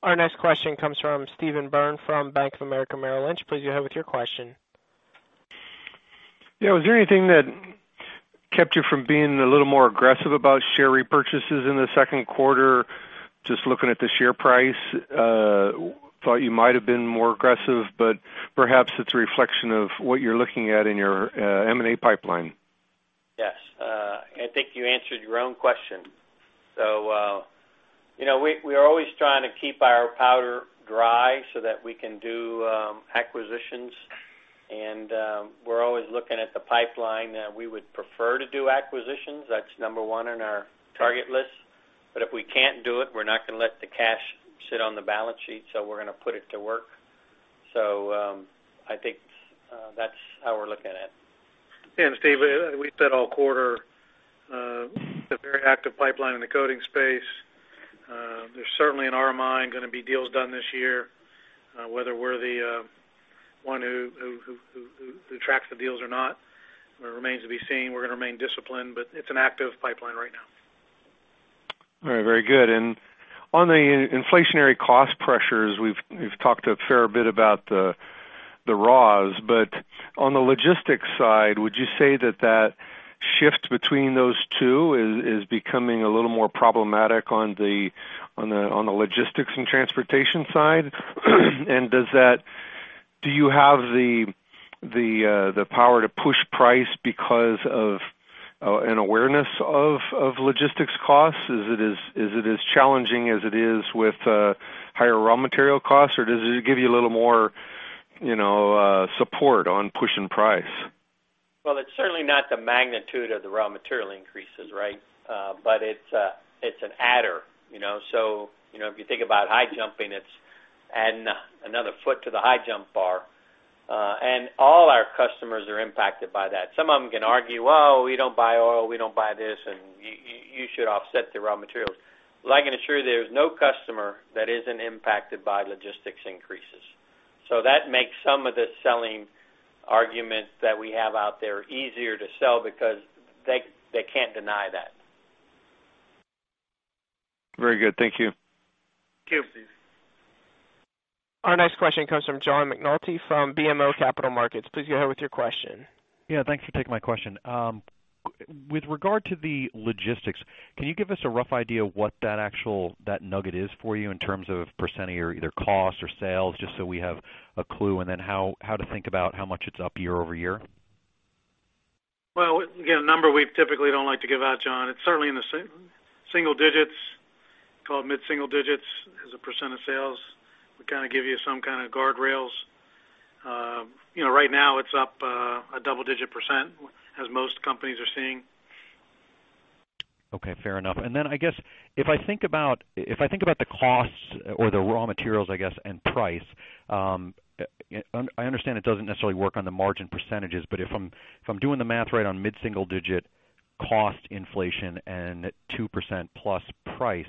Our next question comes from Steve Byrne from Bank of America Merrill Lynch. Please go ahead with your question. Yeah. Was there anything that kept you from being a little more aggressive about share repurchases in the second quarter? Just looking at the share price, thought you might have been more aggressive, but perhaps it's a reflection of what you're looking at in your M&A pipeline. Yes. I think you answered your own question. We are always trying to keep our powder dry so that we can do acquisitions. We're always looking at the pipeline. We would prefer to do acquisitions. That's number one on our target list. If we can't do it, we're not going to let the cash sit on the balance sheet, so we're going to put it to work. I think that's how we're looking at it. Steve, we said all quarter, a very active pipeline in the coatings space. There's certainly, in our mind, going to be deals done this year. Whether we're the one who tracks the deals or not remains to be seen. We're going to remain disciplined, but it's an active pipeline right now. Very good. On the inflationary cost pressures, we've talked a fair bit about the raws. On the logistics side, would you say that shift between those two is becoming a little more problematic on the logistics and transportation side? Do you have the power to push price because of an awareness of logistics costs? Is it as challenging as it is with higher raw material costs, or does it give you a little more support on pushing price? It's certainly not the magnitude of the raw material increases, right? It's an adder. If you think about high jumping, it's adding another foot to the high jump bar. All our customers are impacted by that. Some of them can argue, "Well, we don't buy oil, we don't buy this, and you should offset the raw materials." I can assure you there's no customer that isn't impacted by logistics increases. That makes some of the selling arguments that we have out there easier to sell because they can't deny that. Very good. Thank you. Thank you. Thanks. Our next question comes from John McNulty from BMO Capital Markets. Please go ahead with your question. Yeah, thanks for taking my question. With regard to the logistics, can you give us a rough idea of what that nugget is for you in terms of % of your either cost or sales, just so we have a clue, and then how to think about how much it's up year-over-year? Well, again, a number we typically don't like to give out, John. It's certainly in the single digits, call it mid-single digits as a % of sales. We kind of give you some kind of guardrails. Right now, it's up a double-digit %, as most companies are seeing. Okay, fair enough. I guess if I think about the costs or the raw materials, I guess, and price, I understand it doesn't necessarily work on the margin %. If I'm doing the math right on mid-single digit cost inflation and 2% plus price,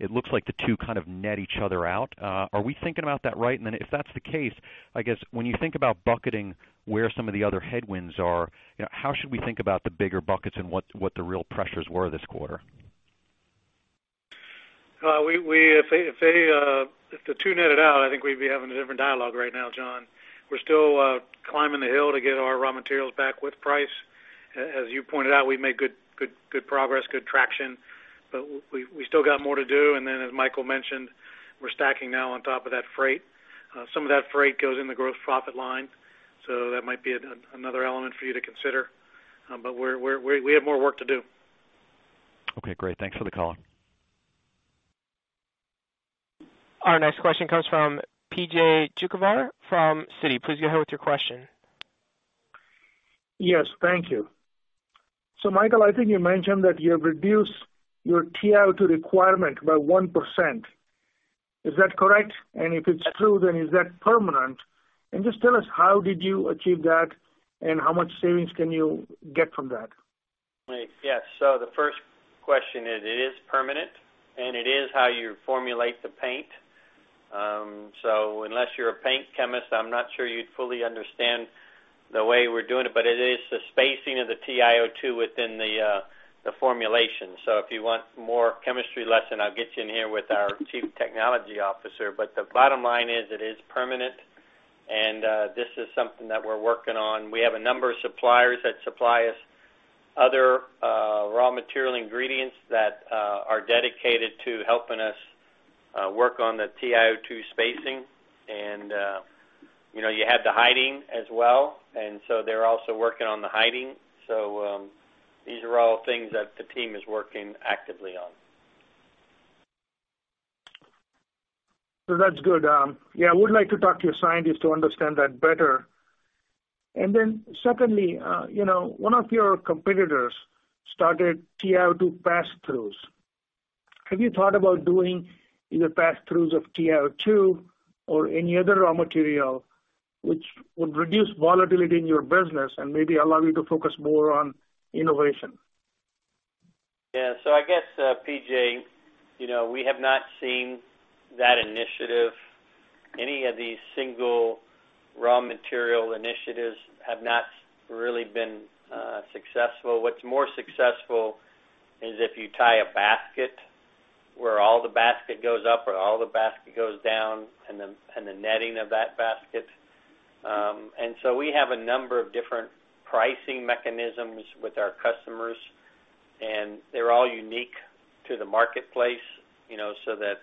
it looks like the two kind of net each other out. Are we thinking about that right? If that's the case, I guess when you think about bucketing where some of the other headwinds are, how should we think about the bigger buckets and what the real pressures were this quarter? If the two netted out, I think we'd be having a different dialogue right now, John. We're still climbing the hill to get our raw materials back with price. As you pointed out, we made good progress, good traction, but we still got more to do. As Michael mentioned, we're stacking now on top of that freight. Some of that freight goes in the gross profit line. That might be another element for you to consider. We have more work to do. Okay, great. Thanks for the call. Our next question comes from P.J. Juvekar from Citi. Please go ahead with your question. Yes, thank you. Michael, I think you mentioned that you have reduced your TiO2 requirement by 1%. Is that correct? If it's true, is that permanent? Just tell us, how did you achieve that, and how much savings can you get from that? Right. Yeah. The first question is, it is permanent, and it is how you formulate the paint. Unless you're a paint chemist, I'm not sure you'd fully understand the way we're doing it. It is the spacing of the TiO2 within the formulation. If you want more chemistry lesson, I'll get you in here with our chief technology officer. The bottom line is, it is permanent, and this is something that we're working on. We have a number of suppliers that supply us other raw material ingredients that are dedicated to helping us work on the TiO2 spacing. You have the hiding as well, they're also working on the hiding. These are all things that the team is working actively on. That's good. Yeah, I would like to talk to your scientists to understand that better. Secondly, one of your competitors started TiO2 pass-throughs. Have you thought about doing either pass-throughs of TiO2 or any other raw material which would reduce volatility in your business and maybe allow you to focus more on innovation? Yeah. I guess, P.J., we have not seen that initiative. Any of these single raw material initiatives have not really been successful. What's more successful is if you tie a basket where all the basket goes up or all the basket goes down, and the netting of that basket. We have a number of different pricing mechanisms with our customers, and they're all unique to the marketplace, so that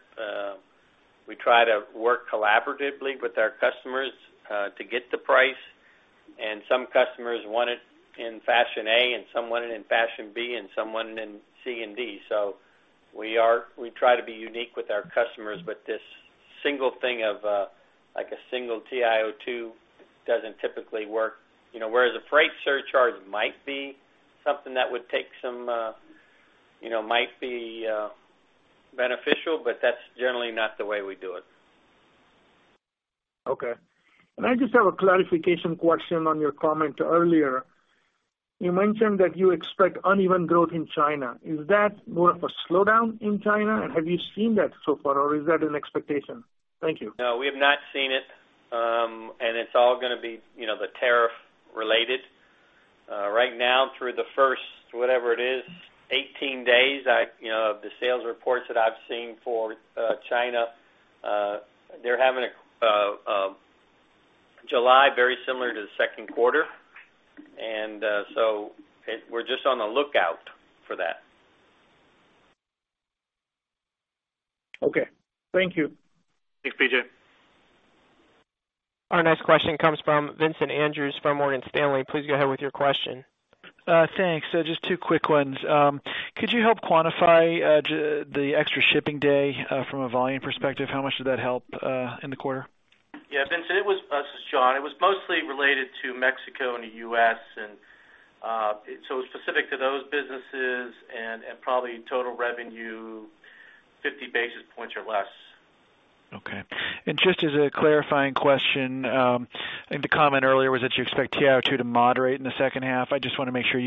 we try to work collaboratively with our customers to get the price. Some customers want it in fashion A, and some want it in fashion B, and some want it in C and D. We try to be unique with our customers, but this single thing of a single TiO2 doesn't typically work. Whereas a freight surcharge might be something that might be beneficial, but that's generally not the way we do it. Okay. I just have a clarification question on your comment earlier. You mentioned that you expect uneven growth in China. Is that more of a slowdown in China? Have you seen that so far, or is that an expectation? Thank you. No, we have not seen it. It's all going to be the tariff related. Right now through the first, whatever it is, 18 days, the sales reports that I've seen for China, they're having July very similar to the second quarter. We're just on the lookout for that. Okay. Thank you. Thanks, P.J. Our next question comes from Vincent Andrews from Morgan Stanley. Please go ahead with your question. Thanks. Just two quick ones. Could you help quantify the extra shipping day from a volume perspective? How much did that help in the quarter? Yeah, Vincent, this is John. It was mostly related to Mexico and the U.S., and so it was specific to those businesses and probably total revenue, 50 basis points or less. Okay. Just as a clarifying question, I think the comment earlier was that you expect TiO2 to moderate in the second half. I just want to make sure,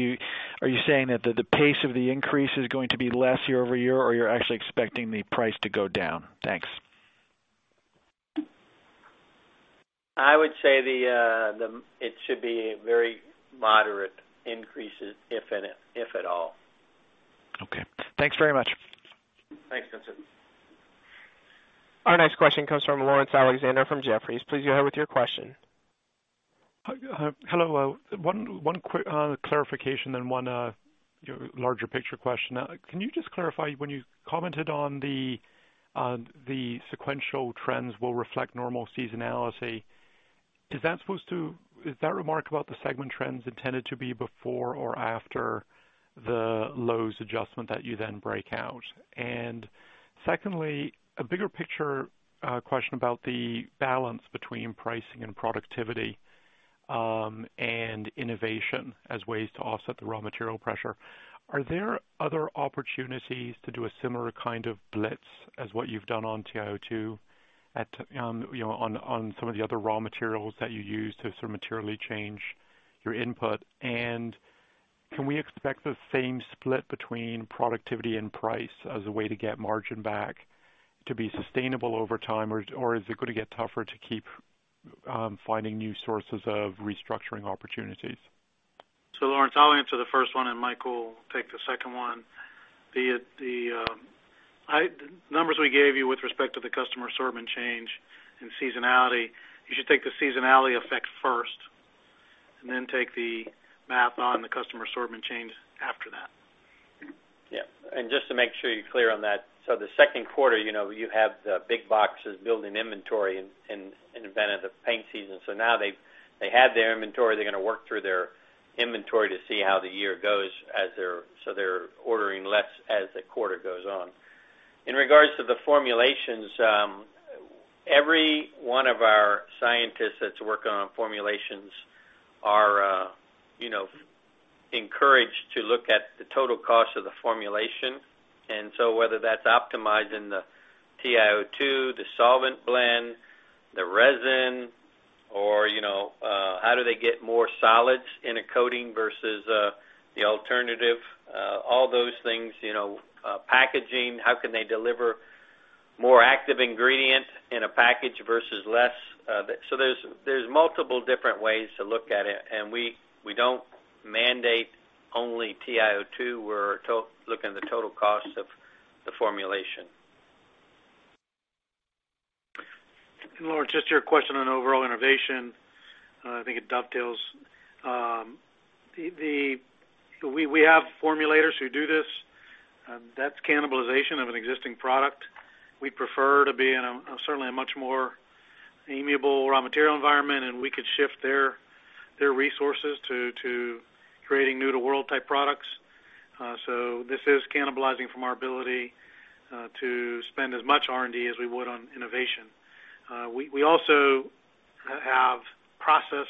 are you saying that the pace of the increase is going to be less year-over-year, or you're actually expecting the price to go down? Thanks. I would say it should be very moderate increases, if at all. Okay. Thanks very much. Thanks, Vincent. Our next question comes from Laurence Alexander from Jefferies. Please go ahead with your question. Hello. One quick clarification, then one larger picture question. Can you just clarify when you commented on the sequential trends will reflect normal seasonality, is that remark about the segment trends intended to be before or after the Lowe's adjustment that you then break out? Secondly, a bigger picture question about the balance between pricing and productivity, and innovation as ways to offset the raw material pressure. Are there other opportunities to do a similar kind of blitz as what you've done on TiO2 on some of the other raw materials that you use to sort of materially change your input? Can we expect the same split between productivity and price as a way to get margin back to be sustainable over time, or is it going to get tougher to keep finding new sources of restructuring opportunities? Laurence, I'll answer the first one, and Mike will take the second one. The numbers we gave you with respect to the customer assortment change and seasonality, you should take the seasonality effect first, and then take the math on the customer assortment change after that. Yeah. Just to make sure you're clear on that, the second quarter, you have the big boxes building inventory in advance of paint season. Now they had their inventory, they're going to work through their inventory to see how the year goes, they're ordering less as the quarter goes on. In regards to the formulations, every one of our scientists that's working on formulations are encouraged to look at the total cost of the formulation. Whether that's optimizing the TiO2, the solvent blend, the resin, or how do they get more solids in a coating versus the alternative, all those things, packaging, how can they deliver more active ingredient in a package versus less? There's multiple different ways to look at it, and we don't mandate only TiO2. We're looking at the total cost of the formulation. Laurence, just to your question on overall innovation, I think it dovetails. We have formulators who do this. That's cannibalization of an existing product. We prefer to be in a certainly much more amiable raw material environment, and we could shift their resources to creating new to world type products. This is cannibalizing from our ability to spend as much R&D as we would on innovation. We also have process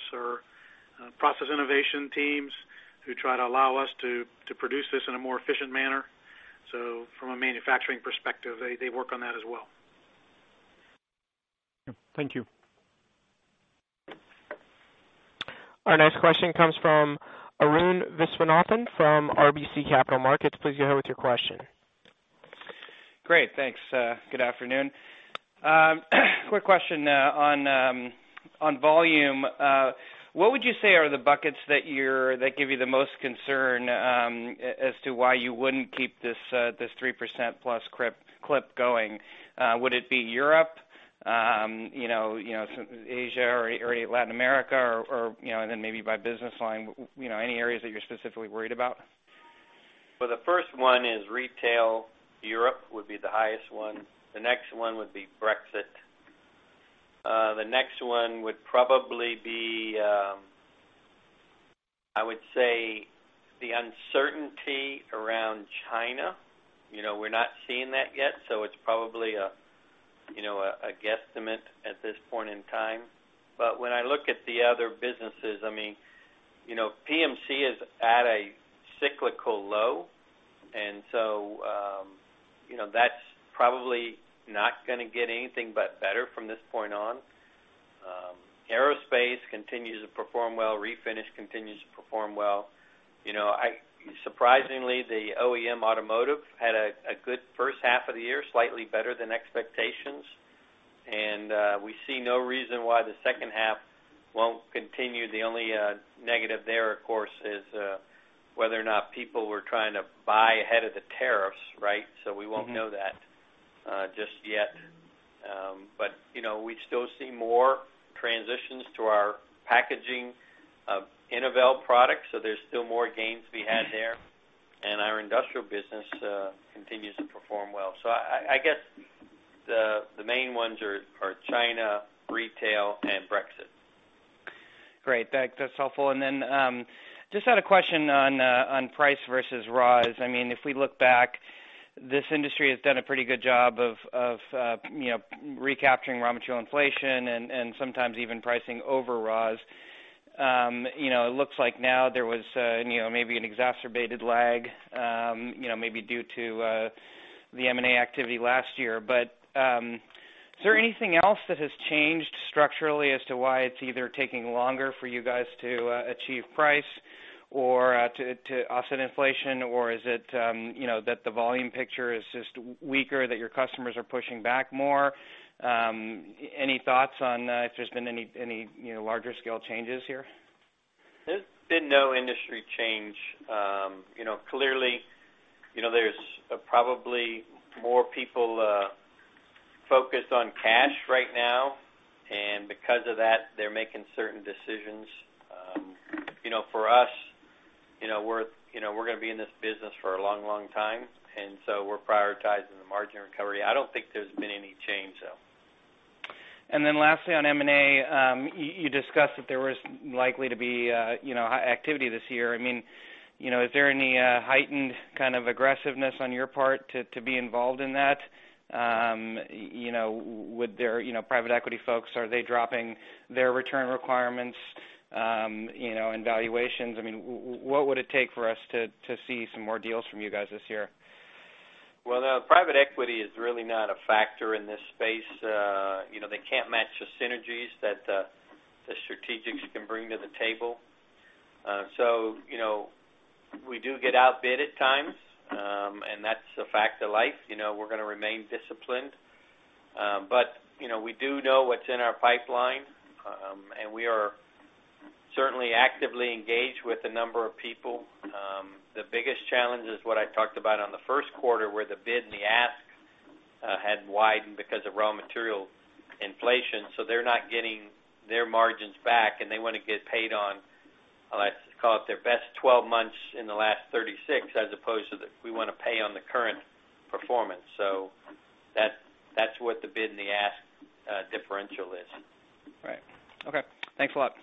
innovation teams who try to allow us to produce this in a more efficient manner. From a manufacturing perspective, they work on that as well. Thank you. Our next question comes from Arun Viswanathan from RBC Capital Markets. Please go ahead with your question. Great. Thanks. Good afternoon. Quick question on volume. What would you say are the buckets that give you the most concern, as to why you wouldn't keep this 3% plus clip going? Would it be Europe? Asia or Latin America, or maybe by business line, any areas that you're specifically worried about? Well, the first one is retail. Europe would be the highest one. The next one would be Brexit. The next one would probably be, I would say the uncertainty around China. We're not seeing that yet, so it's probably a guesstimate at this point in time. When I look at the other businesses, PMC is at a cyclical low. That's probably not going to get anything but better from this point on. Aerospace continues to perform well. Refinish continues to perform well. Surprisingly, the OEM automotive had a good first half of the year, slightly better than expectations, and we see no reason why the second half won't continue. The only negative there, of course, is whether or not people were trying to buy ahead of the tariffs, right? We won't know that just yet. We still see more transitions to our packaging of Innovel products, so there's still more gains to be had there. Our industrial business continues to perform well. I guess the main ones are China, retail, and Brexit. Great. That's helpful. Just had a question on price versus raws. If we look back, this industry has done a pretty good job of recapturing raw material inflation and sometimes even pricing over raws. It looks like now there was maybe an exacerbated lag maybe due to the M&A activity last year. Is there anything else that has changed structurally as to why it's either taking longer for you guys to achieve price or to offset inflation? Is it that the volume picture is just weaker, that your customers are pushing back more? Any thoughts on if there's been any larger scale changes here? There's been no industry change. Clearly, there's probably more people focused on cash right now. Because of that, they're making certain decisions. For us, we're going to be in this business for a long time. We're prioritizing the margin recovery. I don't think there's been any change, though. Lastly, on M&A, you discussed that there was likely to be activity this year. Is there any heightened kind of aggressiveness on your part to be involved in that? Private equity folks, are they dropping their return requirements and valuations? What would it take for us to see some more deals from you guys this year? The private equity is really not a factor in this space. They can't match the synergies that the strategics can bring to the table. We do get outbid at times. That's a fact of life. We're going to remain disciplined. We do know what's in our pipeline. We are certainly actively engaged with a number of people. The biggest challenge is what I talked about on the first quarter, where the bid and the ask had widened because of raw material inflation. They're not getting their margins back. They want to get paid on, let's call it, their best 12 months in the last 36, as opposed to the we want to pay on the current performance. That's what the bid and the ask differential is. Right. Okay. Thanks a lot.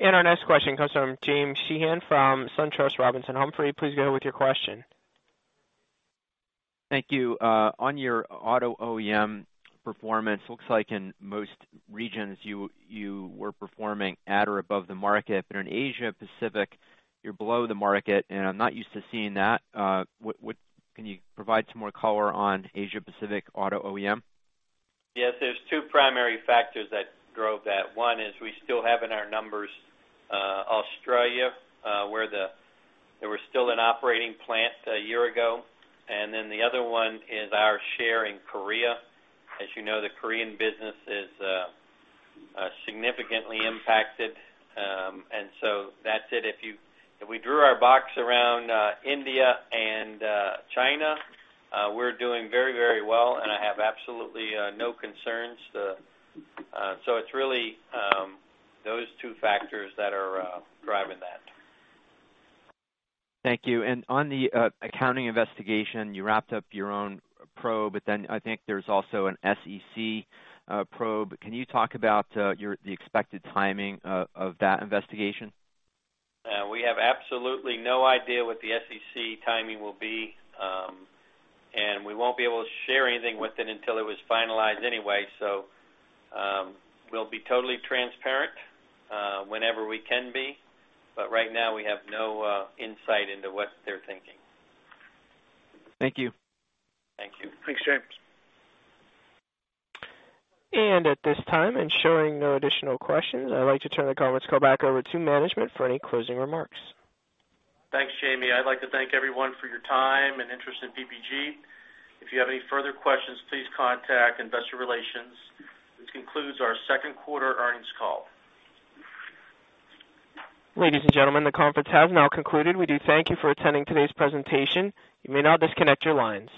Our next question comes from James Sheehan from SunTrust Robinson Humphrey. Please go with your question. Thank you. On your auto OEM performance, looks like in most regions, you were performing at or above the market. But in Asia Pacific, you're below the market, and I'm not used to seeing that. Can you provide some more color on Asia Pacific auto OEM? Yes, there's two primary factors that drove that. One is we still have in our numbers Australia where there was still an operating plant a year ago. The other one is our share in Korea. As you know, the Korean business is significantly impacted. That's it. If we drew our box around India and China, we're doing very well, and I have absolutely no concerns. It's really those two factors that are driving that. Thank you. On the accounting investigation, you wrapped up your own probe. I think there's also an SEC probe. Can you talk about the expected timing of that investigation? We have absolutely no idea what the SEC timing will be. We won't be able to share anything with it until it was finalized anyway. We'll be totally transparent whenever we can be. Right now, we have no insight into what they're thinking. Thank you. Thank you. Thanks, James. At this time, and showing no additional questions, I'd like to turn the conference call back over to management for any closing remarks. Thanks, Jamie. I'd like to thank everyone for your time and interest in PPG. If you have any further questions, please contact investor relations. This concludes our second quarter earnings call. Ladies and gentlemen, the conference has now concluded. We do thank you for attending today's presentation. You may now disconnect your lines.